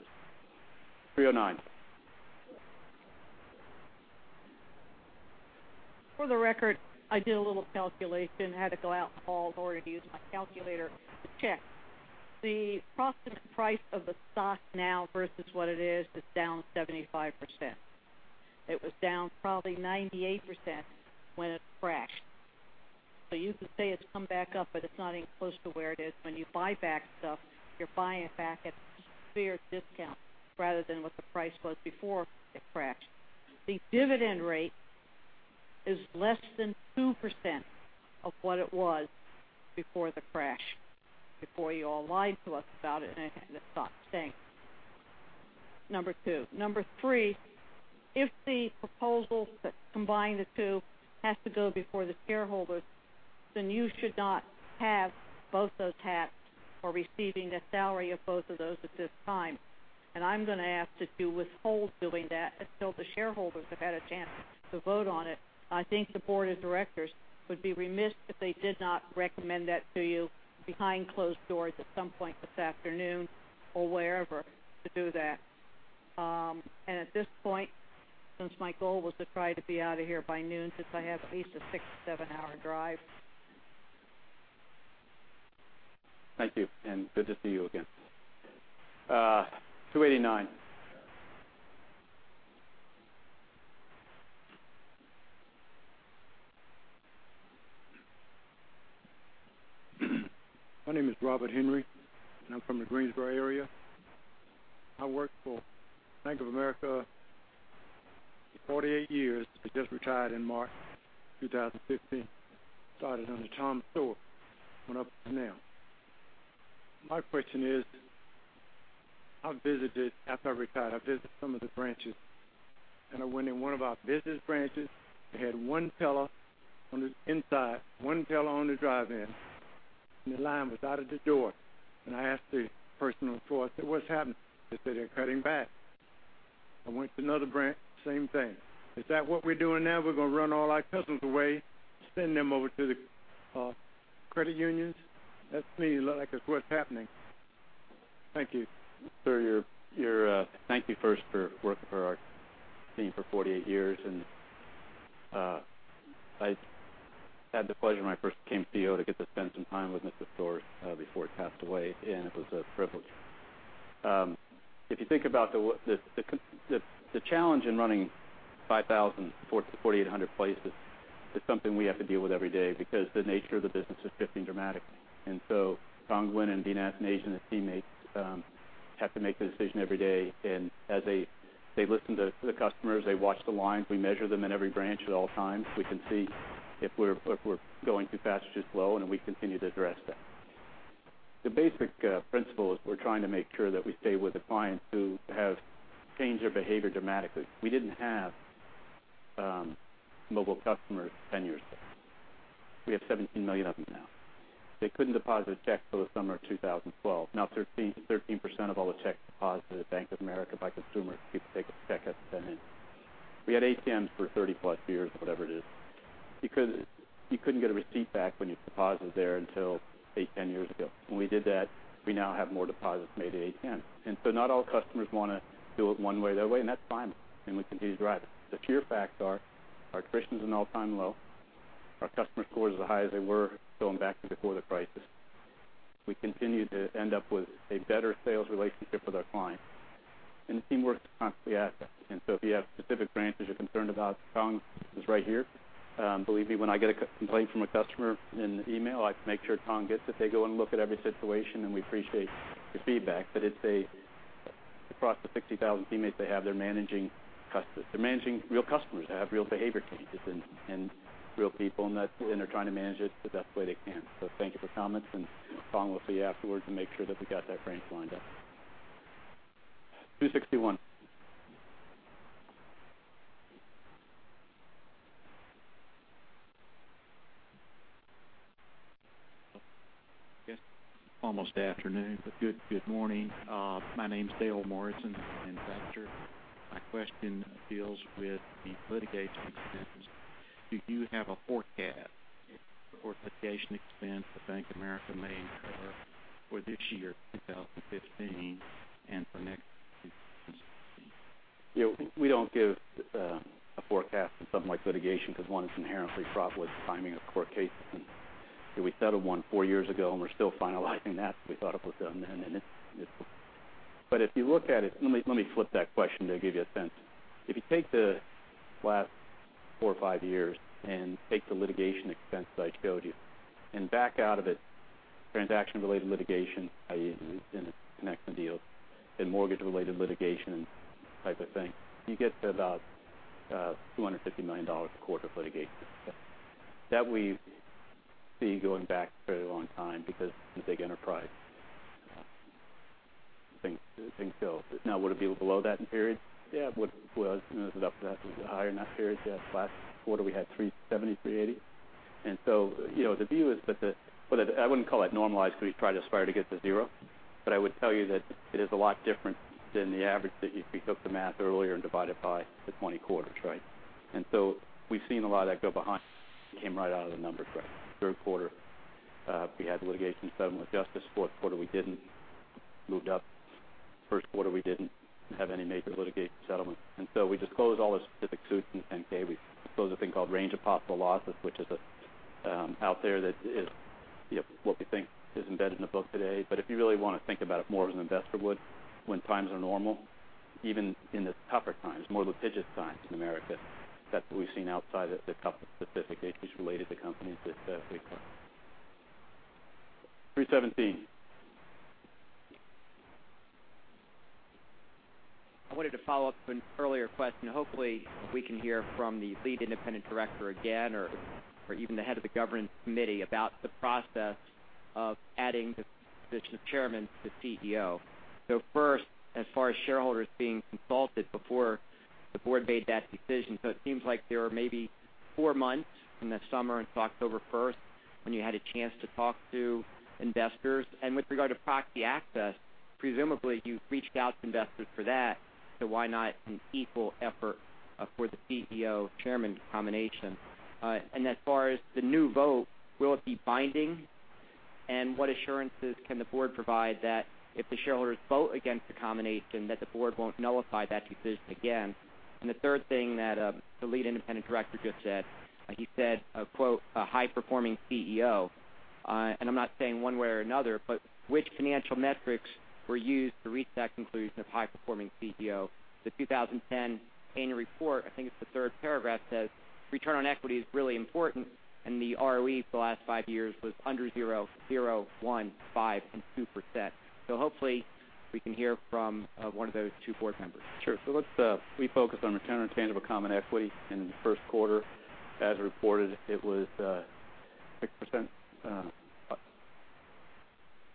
309. For the record, I did a little calculation. I had to go out in the hall in order to use my calculator to check. The approximate price of the stock now versus what it is, it's down 75%. It was down probably 98% when it crashed. You can say it's come back up, but it's not even close to where it is. When you buy back stuff, you're buying it back at a severe discount rather than what the price was before it crashed. The dividend rate is less than 2% of what it was before the crash, before you all lied to us about it and the stock sank. Number two. Number three, if the proposal to combine the two has to go before the shareholders, you should not have both those hats or receiving a salary of both of those at this time. I'm going to ask that you withhold doing that until the shareholders have had a chance to vote on it. I think the Board of Directors would be remiss if they did not recommend that to you behind closed doors at some point this afternoon or wherever to do that. At this point, since my goal was to try to be out of here by noon, since I have at least a six to seven-hour drive. Thank you, good to see you again. 289. My name is Robert Henry, I'm from the Greensboro area. I worked for Bank of America for 48 years. I just retired in March 2015. Started under Thomas Storrs, went up to now. My question is, after I retired, I visited some of the branches, I went in one of our business branches. They had one teller on the inside, one teller on the drive-in, the line was out of the door. I asked the person on the floor, I said, "What's happening?" They said they're cutting back. I went to another branch, same thing. Is that what we're doing now? We're going to run all our customers away, send them over to the credit unions? That to me looks like that's what's happening. Thank you. Sir, thank you first for working for our team for 48 years. I had the pleasure when I first became CEO to get to spend some time with Mr. Storrs before he passed away, it was a privilege. If you think about the challenge in running 5,000, 4,800 places is something we have to deal with every day because the nature of the business is shifting dramatically. Thong Nguyen and Dean Athanasia, his teammates, have to make the decision every day. As they listen to the customers, they watch the lines. We measure them in every branch at all times. We can see if we're going too fast or too slow, we continue to address that. The basic principle is we're trying to make sure that we stay with the clients who have changed their behavior dramatically. We didn't have mobile customers 10 years ago. We have 17 million of them now. They couldn't deposit a check till the summer of 2012. Now, 13% of all the checks deposited at Bank of America by consumers, people take a check and send it in. We had ATMs for 30-plus years or whatever it is. You couldn't get a receipt back when you deposited there until eight, 10 years ago. When we did that, we now have more deposits made at ATMs. Not all customers want to do it one way or that way, that's fine. We continue to drive it. The pure facts are our attrition's an all-time low. Our customer score is as high as they were going back to before the crisis. We continue to end up with a better sales relationship with our clients. The team works constantly at that. If you have specific branches you're concerned about, Thong is right here. Believe me, when I get a complaint from a customer in email, I make sure Thong gets it. They go and look at every situation, we appreciate your feedback. Across the 60,000 teammates they have, they're managing real customers that have real behavior changes, real people, they're trying to manage it the best way they can. Thank you for comments, Thong will see you afterwards and make sure that we got that branch lined up. 261. I guess almost afternoon, but good morning. My name's Dale Morrison, manufacturer. My question deals with the litigation expense. Do you have a forecast for litigation expense that Bank of America may incur for this year, 2015, and for next year, 2016? We don't give a forecast on something like litigation because, one, it's inherently fraught with the timing of court cases. We settled one four years ago, and we're still finalizing that. We thought it was done then. If you look at it, let me flip that question to give you a sense. If you take the last four or five years and take the litigation expense that I showed you and back out of it transaction-related litigation, i.e., connects the deals and mortgage-related litigation type of thing, you get to about $250 million a quarter for litigation. That we see going back a fairly long time because it's a big enterprise. Things go. Would it be below that in periods? Yeah. It was up. It was higher in that period. Last quarter, we had $370, $380. The view is that I wouldn't call it normalized because we try to aspire to get to zero. I would tell you that it is a lot different than the average that if you took the math earlier and divide it by the 20 quarters, right? We've seen a lot of that go behind. It came right out of the numbers right. Third quarter, we had litigation settlement with Justice. Fourth quarter, we didn't. Moved up First quarter, we didn't have any major litigation settlements. We disclose all the specific suits in 10-K. We disclose a thing called range of possible losses, which is out there that is what we think is embedded in the book today. If you really want to think about it more as an investor would when times are normal, even in the tougher times, more litigious times in America, that's what we've seen outside of the couple of specific issues related to companies that $317. I wanted to follow up on an earlier question. Hopefully we can hear from the Lead Independent Director again, or even the head of the Governance Committee about the process of adding the position of Chairman to CEO. First, as far as shareholders being consulted before the board made that decision. It seems like there were maybe four months from the summer until October 1st, when you had a chance to talk to investors. With regard to proxy access, presumably you reached out to investors for that. Why not an equal effort for the CEO, Chairman combination? As far as the new vote, will it be binding? What assurances can the board provide that if the shareholders vote against the combination, that the board won't nullify that decision again? The third thing that the Lead Independent Director just said, he said, quote, "a high-performing CEO." I'm not saying one way or another, but which financial metrics were used to reach that conclusion of high-performing CEO? The 2010 annual report, I think it's the third paragraph, says return on equity is really important and the ROE for the last five years was under zero, one, five, and 2%. Hopefully we can hear from one of those two board members. Sure. Let's refocus on return on tangible common equity in the first quarter. As reported, it was 6%,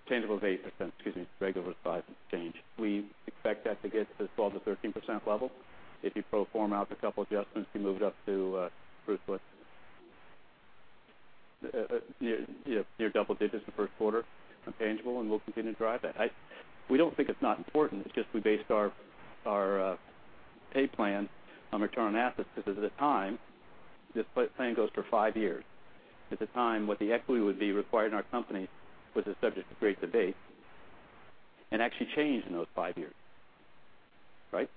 tangible was 8%, excuse me, regular was five and change. We expect that to get to the 12%-13% level. If you pro forma out the couple adjustments, we moved up to, Bruce, what? Near double digits the first quarter on tangible, and we'll continue to drive that. We don't think it's not important. It's just we based our pay plan on return on assets because at the time, this plan goes for five years. At the time, what the equity would be required in our company was a subject of great debate and actually changed in those five years. Right?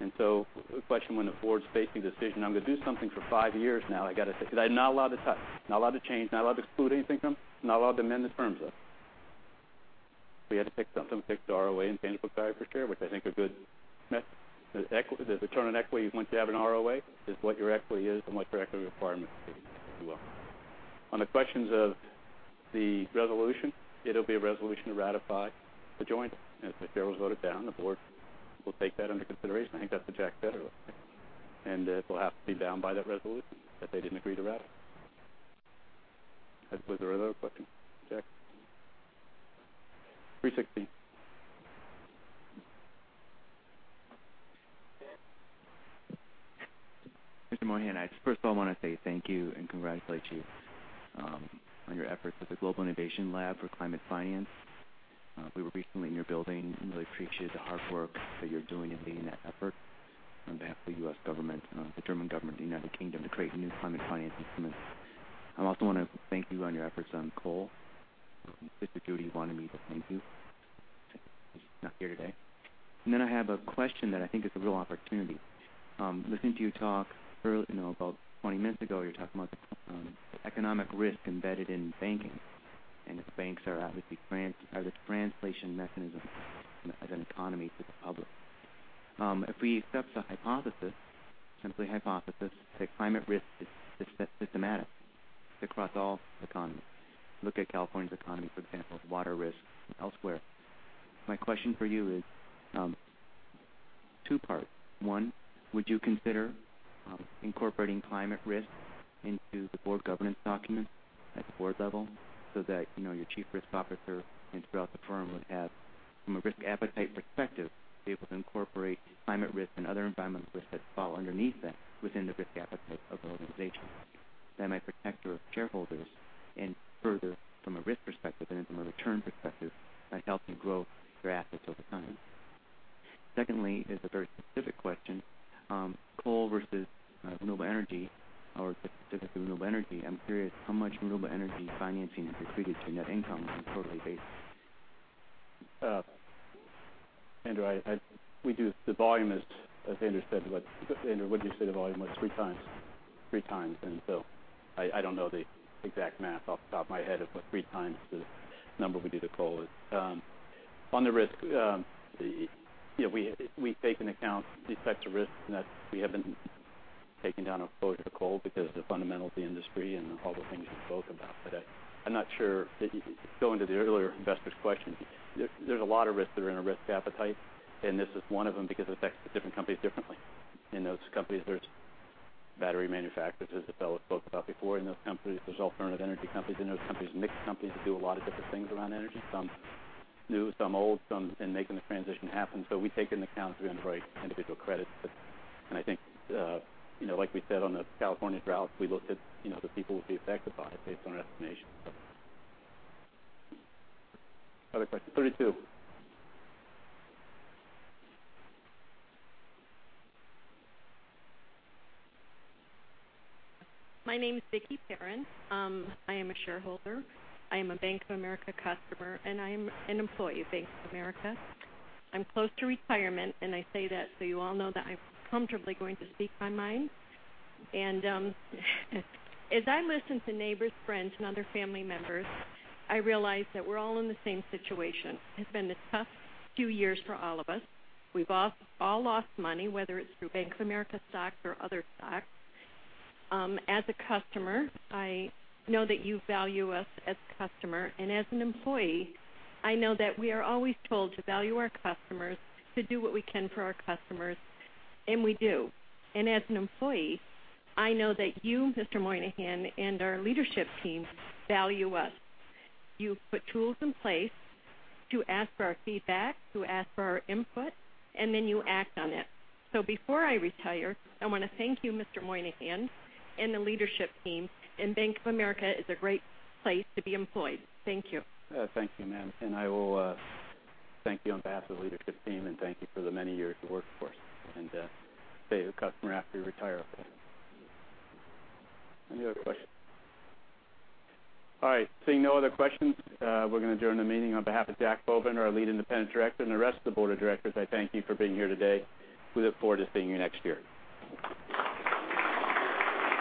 The question when the board's facing the decision, I'm going to do something for five years now. Because I'm not allowed to touch, not allowed to change, not allowed to exclude anything from, not allowed to amend this firm. We had to pick something, picked the ROA and tangible five per share, which I think a good method. The return on equity, once you have an ROA, is what your equity is and what your equity requirement is. On the questions of the resolution, it'll be a resolution to ratify the joint. If the shareholders vote it down, the board will take that under consideration. I think that's what Jack said. We'll have to be bound by that resolution that they didn't agree to ratify. Was there another question, Jack? 316. Mr. Moynihan, first of all, I want to say thank you and congratulate you on your efforts with the Global Innovation Lab for Climate Finance. We were recently in your building and really appreciate the hard work that you're doing in leading that effort on behalf of the U.S. government, the German government, the United Kingdom, to create new climate finance instruments. I also want to thank you on your efforts on coal. Mr. Doody wanted me to thank you. He's not here today. I have a question that I think is a real opportunity. Listening to you talk about 20 minutes ago, you were talking about the economic risk embedded in banking, if banks are obviously this translation mechanism as an economy to the public. If we accept the hypothesis, simply hypothesis, that climate risk is systemic across all economies. Look at California's economy, for example, with water risk and elsewhere. My question for you is two parts. One, would you consider incorporating climate risk into the board governance documents at the board level so that your chief risk officer and throughout the firm would have, from a risk appetite perspective, be able to incorporate climate risk and other environmental risks that fall underneath that within the risk appetite of the organization? That might protect your shareholders and further, from a risk perspective and from a return perspective, might help you grow your assets over time. Secondly, is a very specific question. Coal versus renewable energy, or specifically renewable energy. I'm curious how much renewable energy financing has accrued to net income on a quarterly basis? Andrew, the volume is, as Andrew said, what, Andrew, wouldn't you say the volume was three times? Three times. I don't know the exact math off the top of my head of what three times the number we do to coal is. On the risk, we take into account these types of risks, we haven't taken down exposure to coal because of the fundamentals of the industry and all the things we spoke about. I'm not sure, going to the earlier investor's question. There's a lot of risks that are in a risk appetite, this is one of them because it affects the different companies differently. In those companies, there's battery manufacturers, as Isabella spoke about before. In those companies, there's alternative energy companies. In those companies, mixed companies that do a lot of different things around energy. Some new, some old, some making the transition happen. We take into account as we underwrite individual credits. I think, like we said on the California drought, we looked at the people who would be affected by it based on our estimation. Other questions? 32. My name is Vicki Perrin. I am a shareholder. I am a Bank of America customer, and I am an employee of Bank of America. I'm close to retirement, and I say that so you all know that I'm comfortably going to speak my mind. As I listen to neighbors, friends, and other family members, I realize that we're all in the same situation. It's been a tough few years for all of us. We've all lost money, whether it's through Bank of America stocks or other stocks. As a customer, I know that you value us as a customer, and as an employee, I know that we are always told to value our customers, to do what we can for our customers, and we do. As an employee, I know that you, Mr. Moynihan, and our leadership team value us. You've put tools in place to ask for our feedback, to ask for our input, and then you act on it. Before I retire, I want to thank you, Mr. Moynihan, and the leadership team, and Bank of America is a great place to be employed. Thank you. Thank you, ma'am. I will thank you on behalf of the leadership team, and thank you for the many years you worked for us. Stay a customer after you retire, of course. Any other questions? All right. Seeing no other questions, we're going to adjourn the meeting. On behalf of Jack Bovender, our Lead Independent Director, and the rest of the board of directors, I thank you for being here today. We look forward to seeing you next year.